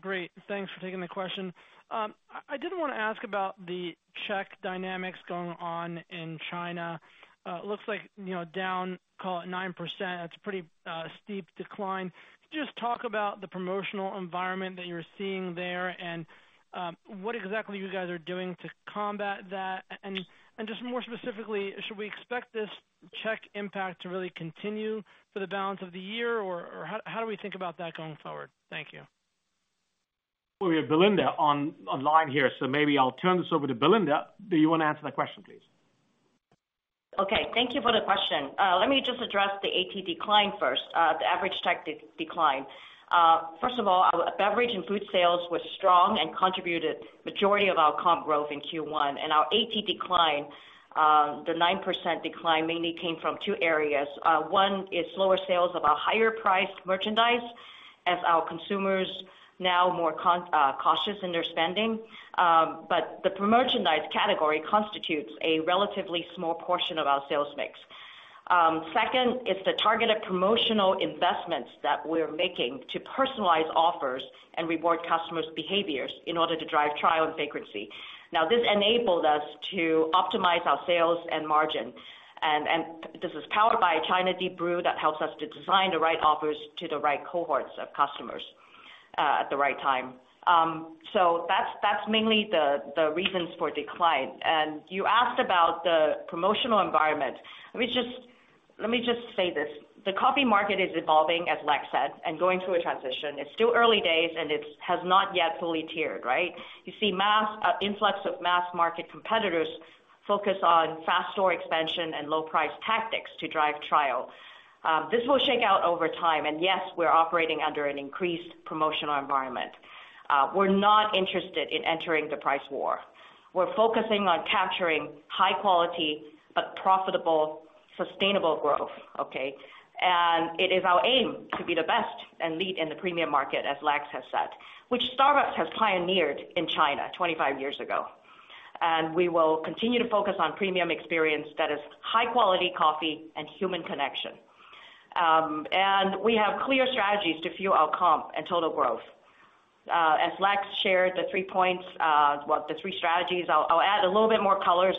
Great, thanks for taking the question. I did want to ask about the check dynamics going on in China. It looks like, you know, down, call it 9%. That's a pretty steep decline. Just talk about the promotional environment that you're seeing there, and what exactly you guys are doing to combat that. And just more specifically, should we expect this check impact to really continue for the balance of the year, or how do we think about that going forward? Thank you. Well, we have Belinda on, online here, so maybe I'll turn this over to Belinda. Do you want to answer that question, please? Okay, thank you for the question. Let me just address the AT decline first, the average ticket decline. First of all, our beverage and food sales were strong and contributed majority of our comp growth in Q1. Our AT decline, the 9% decline mainly came from two areas. One is lower sales of our higher-priced merchandise as our consumers now more cautious in their spending. But the merchandise category constitutes a relatively small portion of our sales mix. Second, it's the targeted promotional investments that we're making to personalize offers and reward customers' behaviors in order to drive trial and frequency. Now, this enabled us to optimize our sales and margin, and this is powered by Deep Brew, that helps us to design the right offers to the right cohorts of customers, at the right time. So that's mainly the reasons for decline. You asked about the promotional environment. Let me just say this, the coffee market is evolving, as Lax said, and going through a transition. It's still early days, and it has not yet fully tiered, right? You see mass influx of mass-market competitors focus on fast store expansion and low price tactics to drive trial. This will shake out over time. Yes, we're operating under an increased promotional environment. We're not interested in entering the price war. We're focusing on capturing high quality, but profitable, sustainable growth, okay? It is our aim to be the best and lead in the premium market, as Lax has said, which Starbucks has pioneered in China 25 years ago. We will continue to focus on premium experience that is high-quality coffee and human connection. And we have clear strategies to fuel our comp and total growth. As Lax shared the three points, well, the three strategies, I'll add a little bit more colors.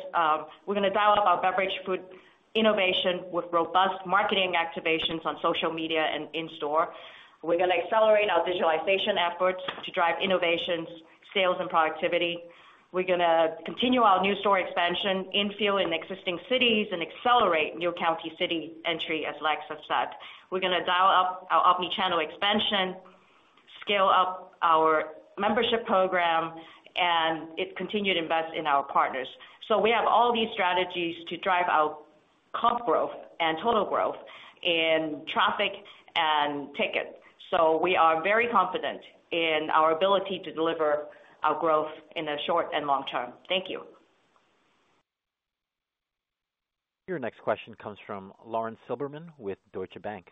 We're going to dial up our beverage food innovation with robust marketing activations on social media and in store. We're going to accelerate our digitalization efforts to drive innovations, sales and productivity. We're going to continue our new store expansion infill in existing cities and accelerate new county city entry, as Lax has said. We're going to dial up our omni-channel expansion, scale up our membership program, and continue to invest in our partners. So we have all these strategies to drive our comp growth and total growth in traffic and ticket. So we are very confident in our ability to deliver our growth in the short and long term. Thank you. Your next question comes from Lauren Silberman with Deutsche Bank.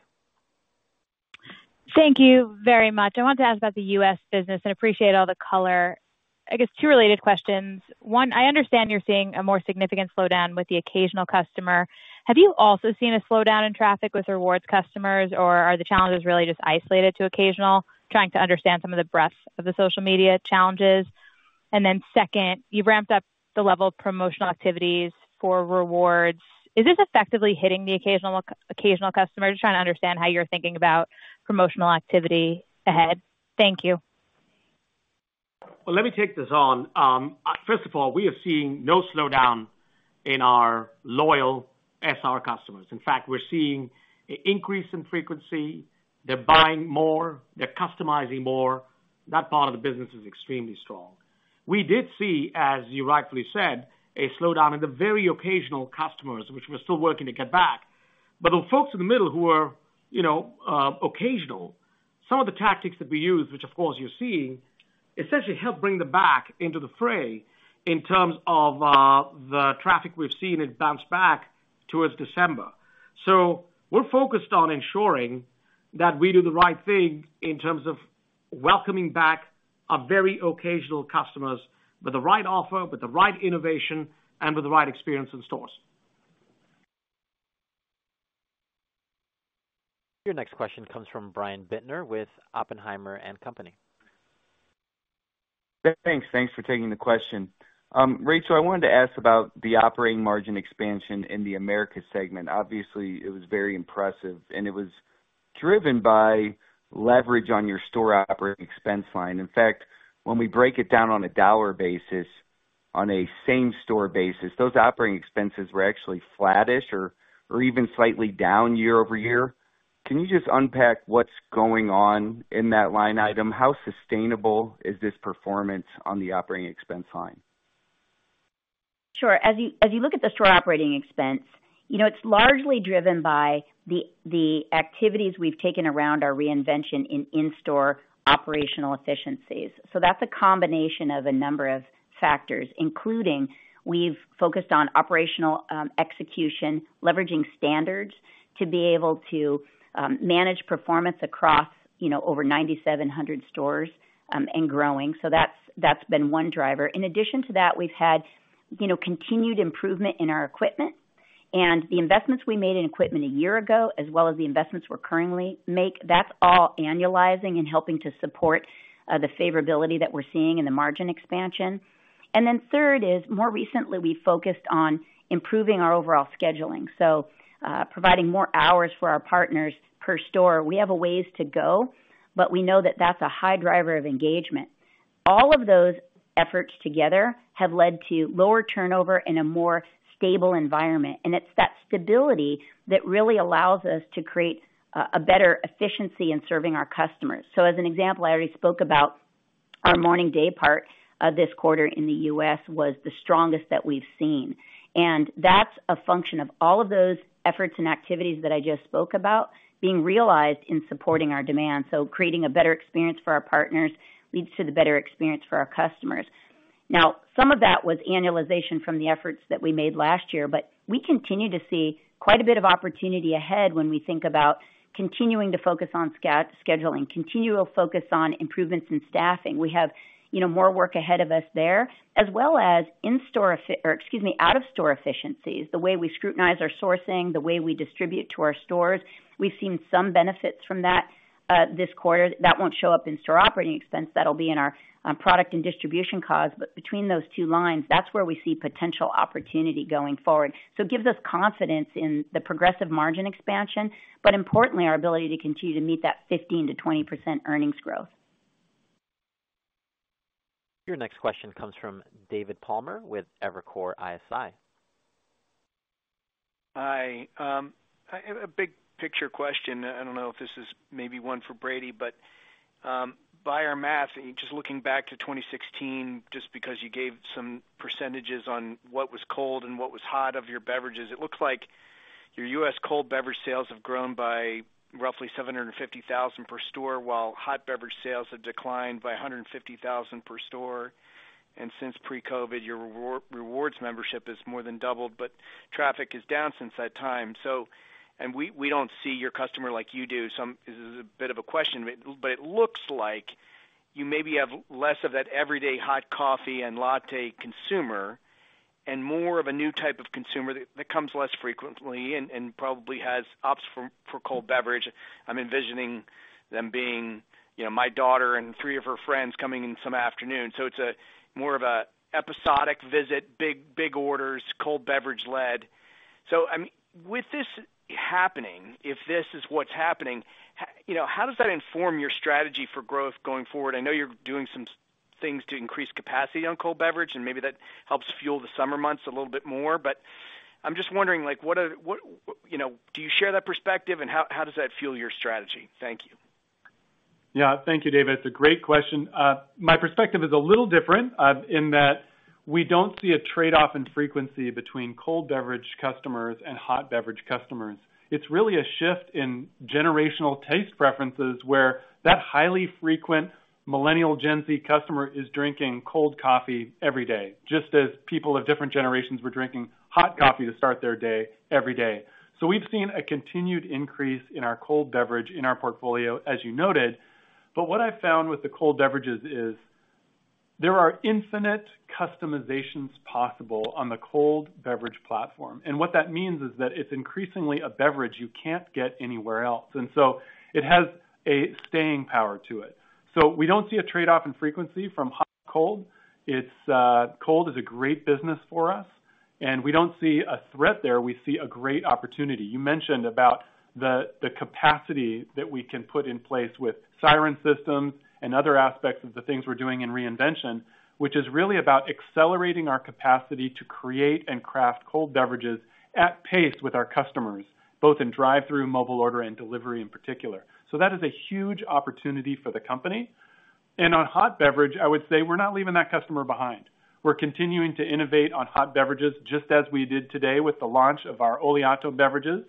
Thank you very much. I want to ask about the U.S. business and appreciate all the color. I guess two related questions. One, I understand you're seeing a more significant slowdown with the occasional customer. Have you also seen a slowdown in traffic with rewards customers, or are the challenges really just isolated to occasional? Trying to understand some of the breadth of the social media challenges. And then second, you ramped up the level of promotional activities for rewards. Is this effectively hitting the occasional, occasional customer? Just trying to understand how you're thinking about promotional activity ahead. Thank you. Well, let me take this on. First of all, we are seeing no slowdown in our loyal SR customers. In fact, we're seeing an increase in frequency. They're buying more, they're customizing more. That part of the business is extremely strong. We did see, as you rightfully said, a slowdown in the very occasional customers, which we're still working to get back. But the folks in the middle who are, you know, occasional, some of the tactics that we use, which, of course, you're seeing, essentially help bring them back into the fray in terms of, the traffic we've seen it bounce back towards December. So we're focused on ensuring that we do the right thing in terms of welcoming back our very occasional customers with the right offer, with the right innovation, and with the right experience in stores. Your next question comes from Brian Bittner with Oppenheimer & Co. Thanks. Thanks for taking the question. Rachel, I wanted to ask about the operating margin expansion in the Americas segment. Obviously, it was very impressive, and it was driven by leverage on your store operating expense line. In fact, when we break it down on a dollar basis, on a same-store basis, those operating expenses were actually flattish or even slightly down year-over-year. Can you just unpack what's going on in that line item? How sustainable is this performance on the operating expense line? Sure. As you look at the store operating expense, you know, it's largely driven by the activities we've taken around our reinvention in in-store operational efficiencies. So that's a combination of a number of factors, including we've focused on operational execution, leveraging standards to be able to manage performance across, you know, over 9,700 stores, and growing. So that's, that's been one driver. In addition to that, we've had, you know, continued improvement in our equipment and the investments we made in equipment a year ago, as well as the investments we're currently make, that's all annualizing and helping to support the favorability that we're seeing in the margin expansion. And then third is, more recently, we focused on improving our overall scheduling, so, providing more hours for our partners per store. We have a ways to go, but we know that that's a high driver of engagement. All of those efforts together have led to lower turnover and a more stable environment, and it's that stability that really allows us to create a better efficiency in serving our customers. So as an example, I already spoke about our morning daypart this quarter in the U.S. was the strongest that we've seen. And that's a function of all of those efforts and activities that I just spoke about being realized in supporting our demand. So creating a better experience for our partners leads to the better experience for our customers. Now, some of that was annualization from the efforts that we made last year, but we continue to see quite a bit of opportunity ahead when we think about continuing to focus on scheduling, continual focus on improvements in staffing. We have, you know, more work ahead of us there, as well as in-store effi-- or excuse me, out-of-store efficiencies. The way we scrutinize our sourcing, the way we distribute to our stores. We've seen some benefits from that, this quarter. That won't show up in store operating expense. That'll be in our, product and distribution costs. But between those two lines, that's where we see potential opportunity going forward. So it gives us confidence in the progressive margin expansion, but importantly, our ability to continue to meet that 15%-20% earnings growth. Your next question comes from David Palmer with Evercore ISI. Hi, I have a big picture question. I don't know if this is maybe one for Brady, but by our math, and just looking back to 2016, just because you gave some percentages on what was cold and what was hot of your beverages, it looks like your US cold beverage sales have grown by roughly $750,000 per store, while hot beverage sales have declined by $150,000 per store. Since pre-COVID, your rewards membership has more than doubled, but traffic is down since that time. And we don't see your customer like you do, so this is a bit of a question, but it looks like you maybe have less of that everyday hot coffee and latte consumer, and more of a new type of consumer that comes less frequently and probably opts for cold beverage. I'm envisioning them being, you know, my daughter and three of her friends coming in some afternoon. So it's more of a episodic visit, big, big orders, cold beverage-led. So, I mean, with this happening, if this is what's happening, you know, how does that inform your strategy for growth going forward? I know you're doing some things to increase capacity on cold beverage, and maybe that helps fuel the summer months a little bit more, but I'm just wondering, like, what are What, you know, do you share that perspective, and how, how does that fuel your strategy? Thank you. Yeah. Thank you, David. It's a great question. My perspective is a little different, in that we don't see a trade-off in frequency between cold beverage customers and hot beverage customers. It's really a shift in generational taste preferences, where that highly frequent millennial Gen Z customer is drinking cold coffee every day, just as people of different generations were drinking hot coffee to start their day, every day. So we've seen a continued increase in our cold beverage in our portfolio, as you noted. But what I found with the cold beverages is, there are infinite customizations possible on the cold beverage platform, and what that means is that it's increasingly a beverage you can't get anywhere else, and so it has a staying power to it. So we don't see a trade-off in frequency from hot to cold. Cold is a great business for us, and we don't see a threat there. We see a great opportunity. You mentioned about the capacity that we can put in place with Siren Systems and other aspects of the things we're doing in reinvention, which is really about accelerating our capacity to create and craft cold beverages at pace with our customers, both in drive-thru, mobile order, and delivery in particular. So that is a huge opportunity for the company. And on hot beverage, I would say we're not leaving that customer behind. We're continuing to innovate on hot beverages, just as we did today with the launch of our Oleato beverages.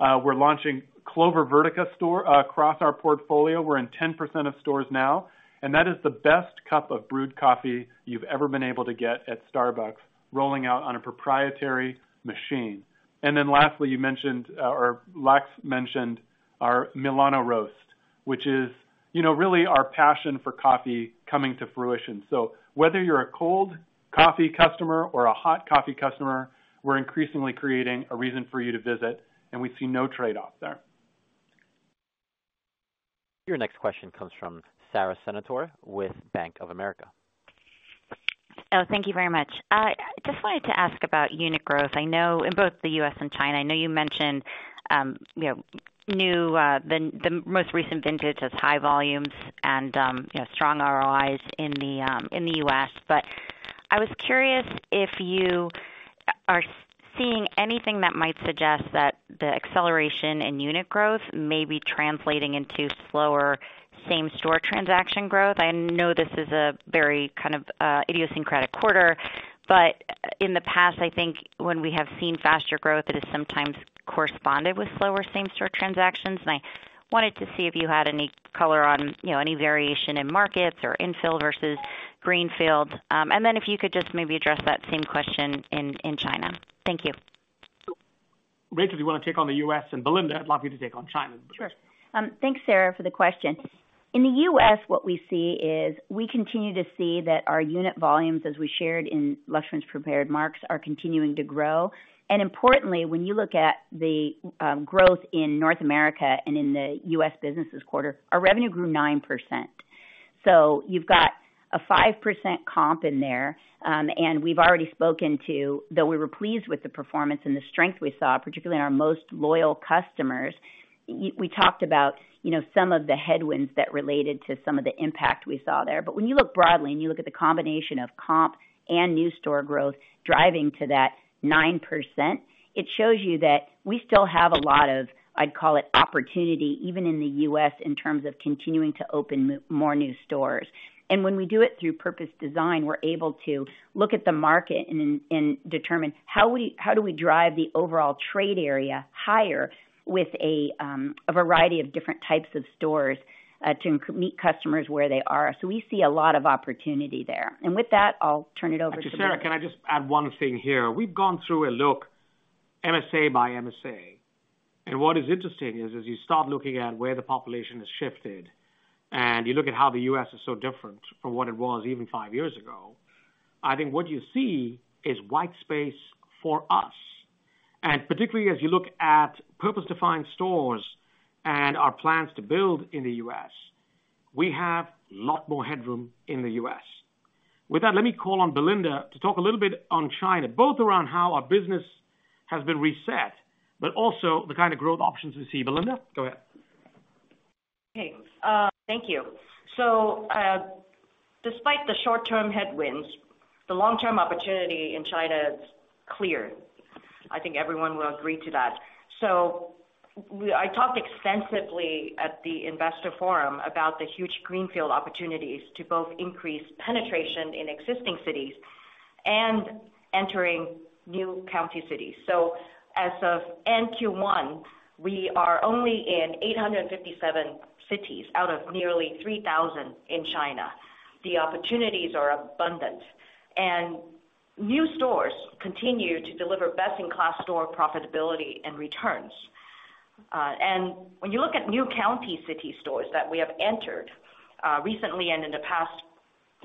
We're launching Clover Vertica store across our portfolio. We're in 10% of stores now, and that is the best cup of brewed coffee you've ever been able to get at Starbucks, rolling out on a proprietary machine. Then lastly, you mentioned, or Lex mentioned our Milano Roast, which is, you know, really our passion for coffee coming to fruition. So whether you're a cold coffee customer or a hot coffee customer, we're increasingly creating a reason for you to visit, and we see no trade-off there. Your next question comes from Sarah Senatore with Bank of America. Oh, thank you very much. Just wanted to ask about unit growth. I know in both the U.S. and China, I know you mentioned, you know, new, the most recent vintage as high volumes and, you know, strong ROIs in the US. But I was curious if you are seeing anything that might suggest that the acceleration in unit growth may be translating into slower same-store transaction growth? I know this is a very kind of, idiosyncratic quarter, but in the past, I think when we have seen faster growth, it has sometimes corresponded with slower same-store transactions. And I wanted to see if you had any color on, you know, any variation in markets or infill versus greenfield. And then if you could just maybe address that same question in China. Thank you. Rachel, you want to take on the U.S., and Belinda, I'd love you to take on China. Sure. Thanks, Sarah, for the question. In the U.S., what we see is, we continue to see that our unit volumes, as we shared in Laxman's prepared remarks, are continuing to grow. And importantly, when you look at the growth in North America and in the U.S. business this quarter, our revenue grew 9%. So you've got a 5% comp in there, and we've already spoken to, though we were pleased with the performance and the strength we saw, particularly in our most loyal customers, we talked about, you know, some of the headwinds that related to some of the impact we saw there. But when you look broadly and you look at the combination of comp and new store growth driving to that 9%, it shows you that we still have a lot of, I'd call it, opportunity, even in the U.S., in terms of continuing to open more new stores. And when we do it through purpose design, we're able to look at the market and determine how do we drive the overall trade area higher with a variety of different types of stores to meet customers where they are. So we see a lot of opportunity there. And with that, I'll turn it over to Belinda. Sarah, can I just add one thing here? We've gone through a look MSA by MSA, and what is interesting is, as you start looking at where the population has shifted, and you look at how the U.S. is so different from what it was even five years ago, I think what you see is white space for us. And particularly as you look at purpose-defined stores and our plans to build in the U.S., we have a lot more headroom in the U.S. With that, let me call on Belinda to talk a little bit on China, both around how our business has been reset, but also the kind of growth options we see. Belinda, go ahead. Okay, thank you. So, despite the short-term headwinds, the long-term opportunity in China is clear. I think everyone will agree to that. So I talked extensively at the investor forum about the huge greenfield opportunities to both increase penetration in existing cities and entering new county cities. So as of end Q1, we are only in 857 cities out of nearly 3,000 in China. The opportunities are abundant, and new stores continue to deliver best-in-class store profitability and returns. And when you look at new county city stores that we have entered, recently and in the past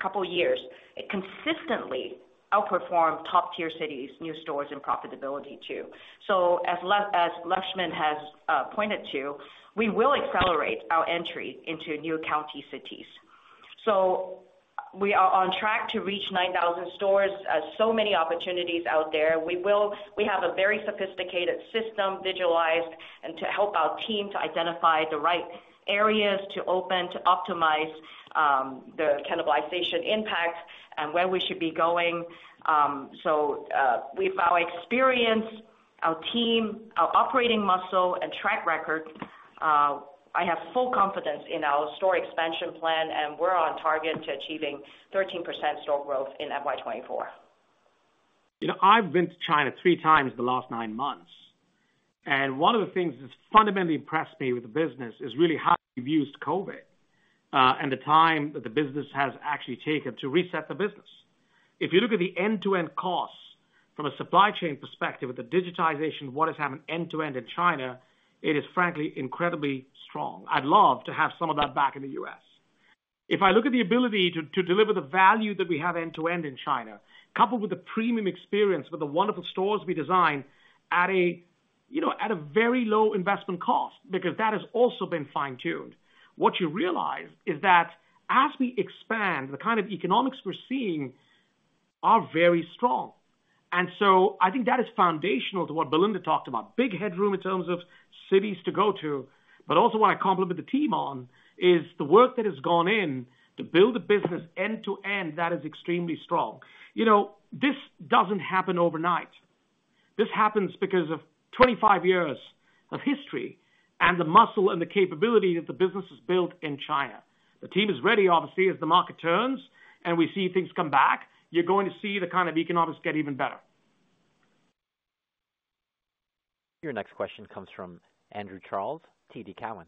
couple of years, it consistently outperformed top-tier cities, new stores, and profitability too. So as Laxman has pointed to, we will accelerate our entry into new county cities. So we are on track to reach 9,000 stores. So many opportunities out there. We have a very sophisticated system, visualized, and to help our team to identify the right areas, to open, to optimize, the cannibalization impact and where we should be going. With our experience, our team, our operating muscle, and track record, I have full confidence in our store expansion plan, and we're on target to achieving 13% store growth in FY 2024. You know, I've been to China three times in the last nine months, and one of the things that's fundamentally impressed me with the business is really how you've used COVID and the time that the business has actually taken to reset the business. If you look at the end-to-end costs from a supply chain perspective, with the digitization of what is happening end-to-end in China, it is frankly incredibly strong. I'd love to have some of that back in the U.S. If I look at the ability to deliver the value that we have end-to-end in China, coupled with the premium experience with the wonderful stores we design at a, you know, at a very low investment cost, because that has also been fine-tuned. What you realize is that as we expand, the kind of economics we're seeing are very strong. And so I think that is foundational to what Belinda talked about. Big headroom in terms of cities to go to, but also what I compliment the team on, is the work that has gone in to build a business end-to-end that is extremely strong. You know, this doesn't happen overnight. This happens because of 25 years of history and the muscle and the capability that the business has built in China. The team is ready, obviously, as the market turns and we see things come back, you're going to see the kind of economics get even better. Your next question comes from Andrew Charles, TD Cowen.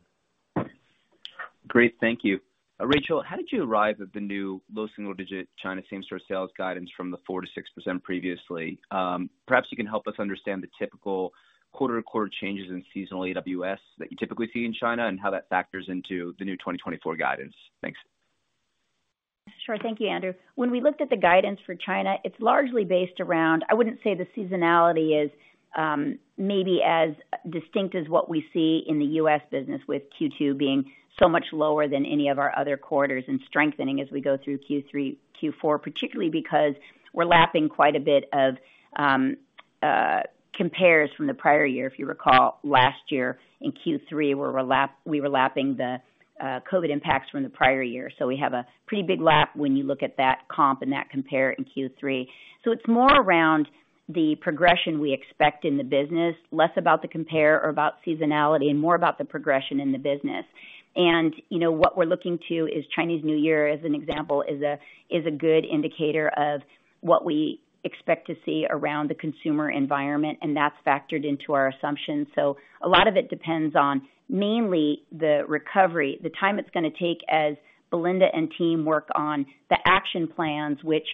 Great, thank you. Rachel, how did you arrive at the new low single-digit China same-store sales guidance from the 4%-6% previously? Perhaps you can help us understand the typical quarter-to-quarter changes in seasonal AWS that you typically see in China, and how that factors into the new 2024 guidance. Thanks. Sure. Thank you, Andrew. When we looked at the guidance for China, it's largely based around. I wouldn't say the seasonality is, maybe as distinct as what we see in the U.S. business, with Q2 being so much lower than any of our other quarters, and strengthening as we go through Q3, Q4. Particularly because we're lapping quite a bit of compares from the prior year. If you recall, last year in Q3, we were lapping the COVID impacts from the prior year. So we have a pretty big lap when you look at that comp and that compare in Q3. So it's more around the progression we expect in the business, less about the compare or about seasonality, and more about the progression in the business. You know, what we're looking to is Chinese New Year, as an example, a good indicator of what we expect to see around the consumer environment, and that's factored into our assumptions. So a lot of it depends on mainly the recovery, the time it's gonna take, as Belinda and team work on the action plans, which,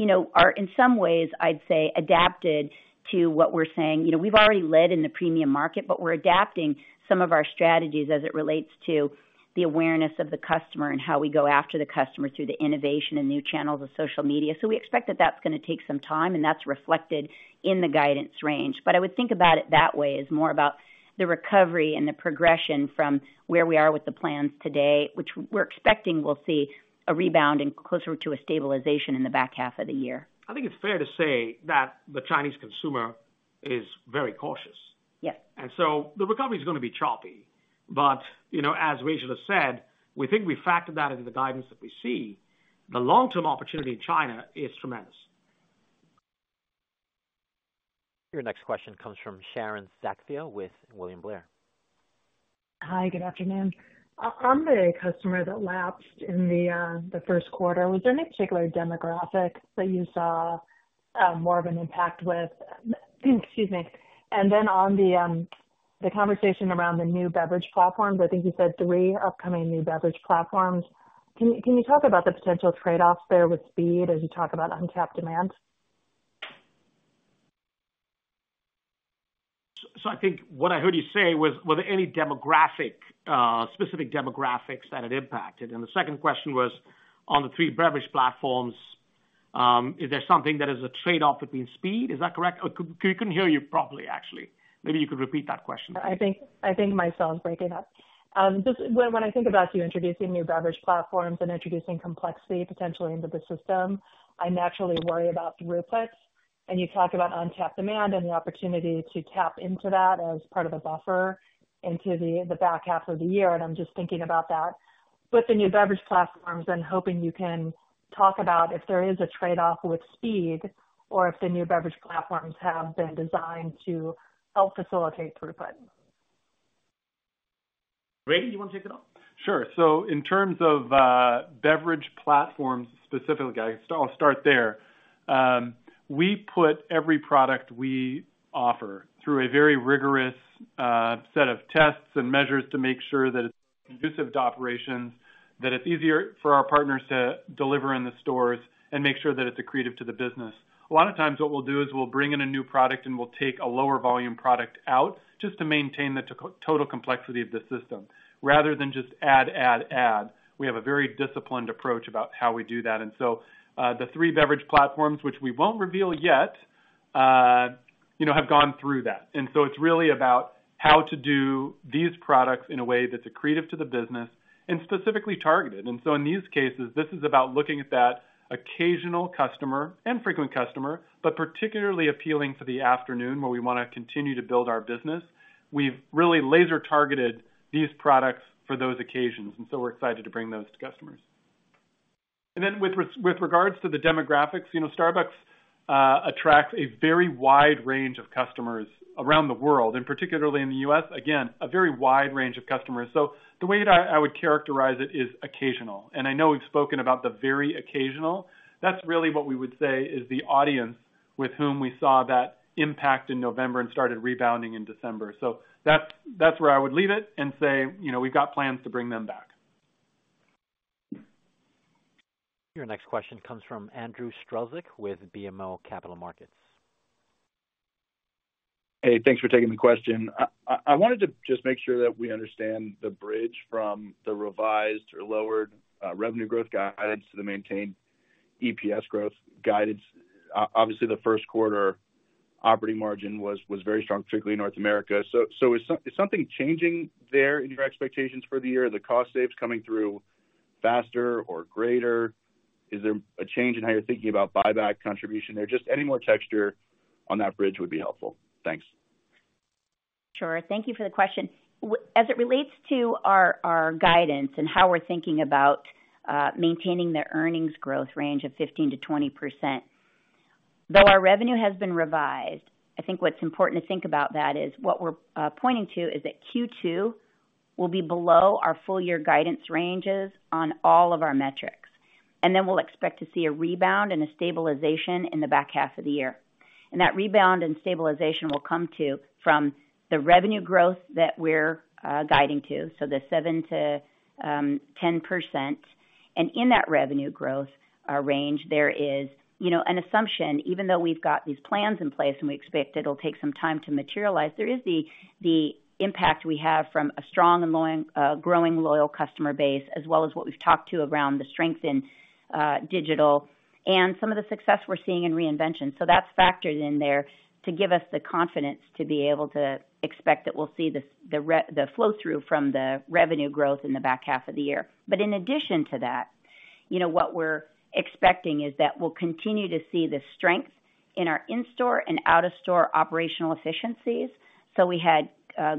you know, are in some ways, I'd say, adapted to what we're saying. You know, we've already led in the premium market, but we're adapting some of our strategies as it relates to the awareness of the customer and how we go after the customer through the innovation and new channels of social media. So we expect that that's gonna take some time, and that's reflected in the guidance range. But I would think about it that way, as more about the recovery and the progression from where we are with the plans today, which we're expecting we'll see a rebound and closer to a stabilization in the back half of the year. I think it's fair to say that the Chinese consumer is very cautious. Yes. The recovery is gonna be choppy. But, you know, as Rachel has said, we think we factored that into the guidance that we see. The long-term opportunity in China is tremendous. Your next question comes from Sharon Zackfia with William Blair. Hi, good afternoon. On the customer that lapsed in the first quarter, was there any particular demographic that you saw more of an impact with? Excuse me. And then on the conversation around the new beverage platforms, I think you said three upcoming new beverage platforms. Can you talk about the potential trade-offs there with speed as you talk about uncapped demand? So I think what I heard you say was, were there any demographic, specific demographics that it impacted? And the second question was on the three beverage platforms, is there something that is a trade-off between speed? Is that correct? Or we couldn't hear you properly, actually. Maybe you could repeat that question. I think, I think my sound's breaking up. Just when I think about you introducing new beverage platforms and introducing complexity potentially into the system, I naturally worry about throughput. And you talk about untapped demand and the opportunity to tap into that as part of a buffer into the back half of the year, and I'm just thinking about that. With the new beverage platforms, I'm hoping you can talk about if there is a trade-off with speed, or if the new beverage platforms have been designed to help facilitate throughput. Brady, do you want to take it off? Sure. So in terms of beverage platforms specifically, I'll start there. We put every product we offer through a very rigorous set of tests and measures to make sure that it's conducive to operations, that it's easier for our partners to deliver in the stores and make sure that it's accretive to the business. A lot of times what we'll do is we'll bring in a new product, and we'll take a lower volume product out just to maintain the total complexity of the system. Rather than just add, add, add, we have a very disciplined approach about how we do that. And so the three beverage platforms, which we won't reveal yet, you know, have gone through that. And so it's really about how to do these products in a way that's accretive to the business and specifically targeted. And so in these cases, this is about looking at that occasional customer and frequent customer, but particularly appealing for the afternoon, where we wanna continue to build our business. We've really laser-targeted these products for those occasions, and so we're excited to bring those to customers. And then with regards to the demographics, you know, Starbucks attracts a very wide range of customers around the world, and particularly in the U.S., again, a very wide range of customers. So the way that I would characterize it is occasional. And I know we've spoken about the very occasional. That's really what we would say is the audience with whom we saw that impact in November and started rebounding in December. So that's where I would leave it and say, you know, we've got plans to bring them back. Your next question comes from Andrew Strelzik with BMO Capital Markets. Hey, thanks for taking the question. I wanted to just make sure that we understand the bridge from the revised or lowered revenue growth guidance to the maintained EPS growth guidance. Obviously, the first quarter operating margin was very strong, particularly in North America. So is something changing there in your expectations for the year, the cost saves coming through faster or greater? Is there a change in how you're thinking about buyback contribution there? Just any more texture on that bridge would be helpful. Thanks. Sure. Thank you for the question. As it relates to our guidance and how we're thinking about maintaining the earnings growth range of 15%-20%, though our revenue has been revised, I think what's important to think about that is what we're pointing to is that Q2 will be below our full year guidance ranges on all of our metrics. Then we'll expect to see a rebound and a stabilization in the back half of the year. That rebound and stabilization will come to from the revenue growth that we're guiding to, so the 7%-10%. In that revenue growth range, there is, you know, an assumption, even though we've got these plans in place and we expect it'll take some time to materialize, there is the impact we have from a strong and loyal, growing loyal customer base, as well as what we've talked to around the strength in digital and some of the success we're seeing in reinvention. So that's factored in there to give us the confidence to be able to expect that we'll see the flow-through from the revenue growth in the back half of the year. But in addition to that, you know, what we're expecting is that we'll continue to see the strength in our in-store and out-of-store operational efficiencies. So we had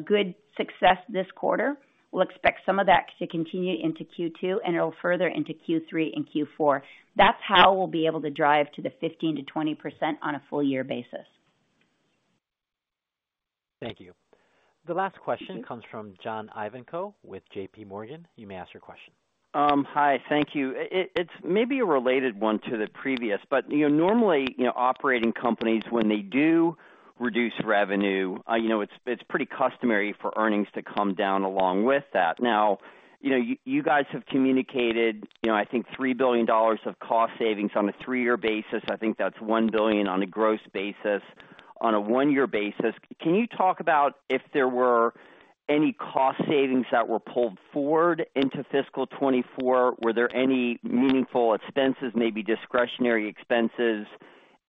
good success this quarter. We'll expect some of that to continue into Q2, and it'll further into Q3 and Q4. That's how we'll be able to drive to the 15%-20% on a full year basis. Thank you. The last question comes from John Ivankoe with JPMorgan. You may ask your question. Hi, thank you. It's maybe a related one to the previous, but, you know, normally, you know, operating companies, when they do reduce revenue, you know, it's pretty customary for earnings to come down along with that. Now, you know, you guys have communicated, you know, I think $3 billion of cost savings on a three-year basis. I think that's $1 billion on a gross basis, on a one-year basis. Can you talk about if there were any cost savings that were pulled forward into fiscal 2024? Were there any meaningful expenses, maybe discretionary expenses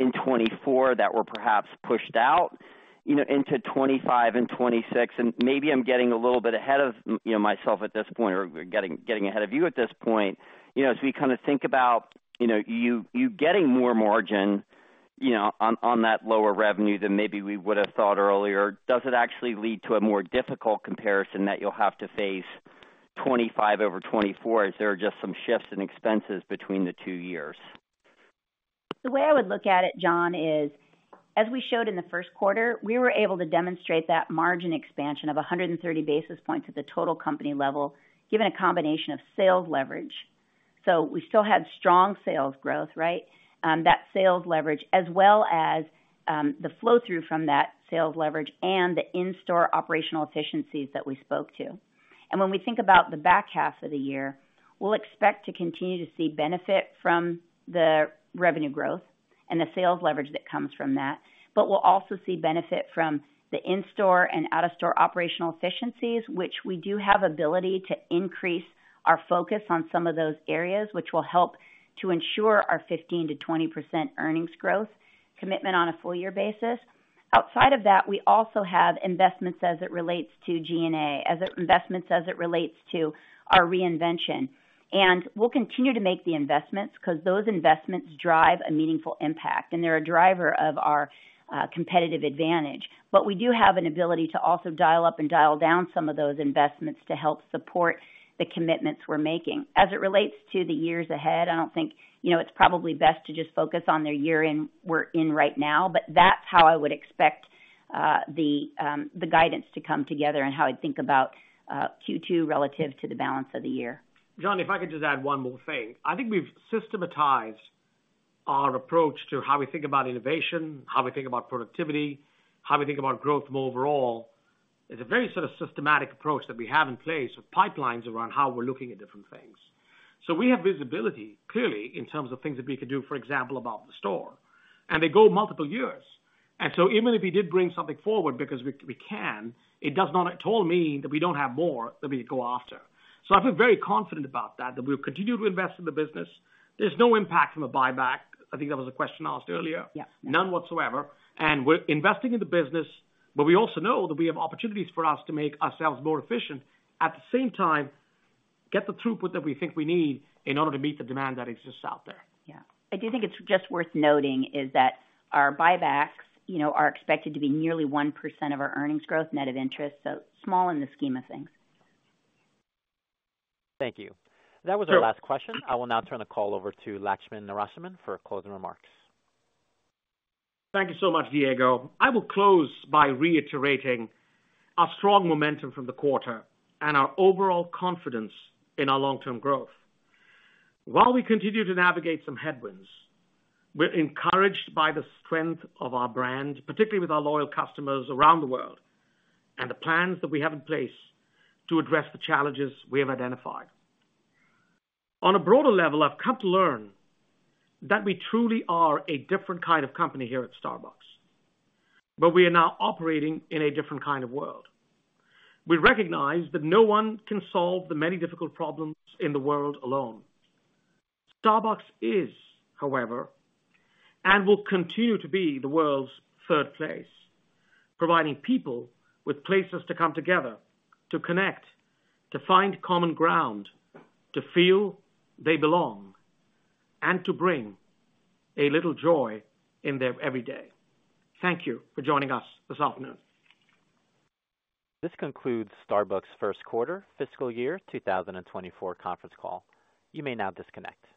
in 2024 that were perhaps pushed out, you know, into 2025 and 2026? And maybe I'm getting a little bit ahead of, you know, myself at this point or getting ahead of you at this point. You know, as we kinda think about, you know, you getting more margin, you know, on, on that lower revenue than maybe we would have thought earlier, does it actually lead to a more difficult comparison that you'll have to face 2025 over 2024, as there are just some shifts in expenses between the two years? The way I would look at it, John, is, as we showed in the first quarter, we were able to demonstrate that margin expansion of 100 basis points at the total company level, given a combination of sales leverage. So we still had strong sales growth, right? That sales leverage, as well as, the flow-through from that sales leverage and the in-store operational efficiencies that we spoke to. And when we think about the back half of the year, we'll expect to continue to see benefit from the revenue growth and the sales leverage that comes from that. But we'll also see benefit from the in-store and out-of-store operational efficiencies, which we do have ability to increase our focus on some of those areas, which will help to ensure our 15%-20% earnings growth commitment on a full year basis. Outside of that, we also have investments as it relates to G&A, investments as it relates to our reinvention. And we'll continue to make the investments, 'cause those investments drive a meaningful impact, and they're a driver of our competitive advantage. But we do have an ability to also dial up and dial down some of those investments to help support the commitments we're making. As it relates to the years ahead, I don't think, you know, it's probably best to just focus on the year we're in right now, but that's how I would expect the guidance to come together and how I'd think about Q2 relative to the balance of the year. John, if I could just add one more thing. I think we've systematized our approach to how we think about innovation, how we think about productivity, how we think about growth more overall. It's a very sort of systematic approach that we have in place with pipelines around how we're looking at different things. So we have visibility, clearly, in terms of things that we could do, for example, about the store, and they go multiple years. And so even if we did bring something forward, because we can, it does not at all mean that we don't have more that we go after. So I feel very confident about that, that we'll continue to invest in the business. There's no impact from a buyback. I think that was a question asked earlier. Yes. None whatsoever. We're investing in the business, but we also know that we have opportunities for us to make ourselves more efficient. At the same time, get the throughput that we think we need in order to meet the demand that exists out there. Yeah. I do think it's just worth noting, is that our buybacks, you know, are expected to be nearly 1% of our earnings growth, net of interest, so small in the scheme of things. Thank you. That was our last question. I will now turn the call over to Laxman Narasimhan for closing remarks. Thank you so much, Diego. I will close by reiterating our strong momentum from the quarter and our overall confidence in our long-term growth. While we continue to navigate some headwinds, we're encouraged by the strength of our brand, particularly with our loyal customers around the world, and the plans that we have in place to address the challenges we have identified. On a broader level, I've come to learn that we truly are a different kind of company here at Starbucks, but we are now operating in a different kind of world. We recognize that no one can solve the many difficult problems in the world alone. Starbucks is, however, and will continue to be the world's third place, providing people with places to come together, to connect, to find common ground, to feel they belong, and to bring a little joy in their every day. Thank you for joining us this afternoon. This concludes Starbucks' first quarter fiscal year 2024 conference call. You may now disconnect.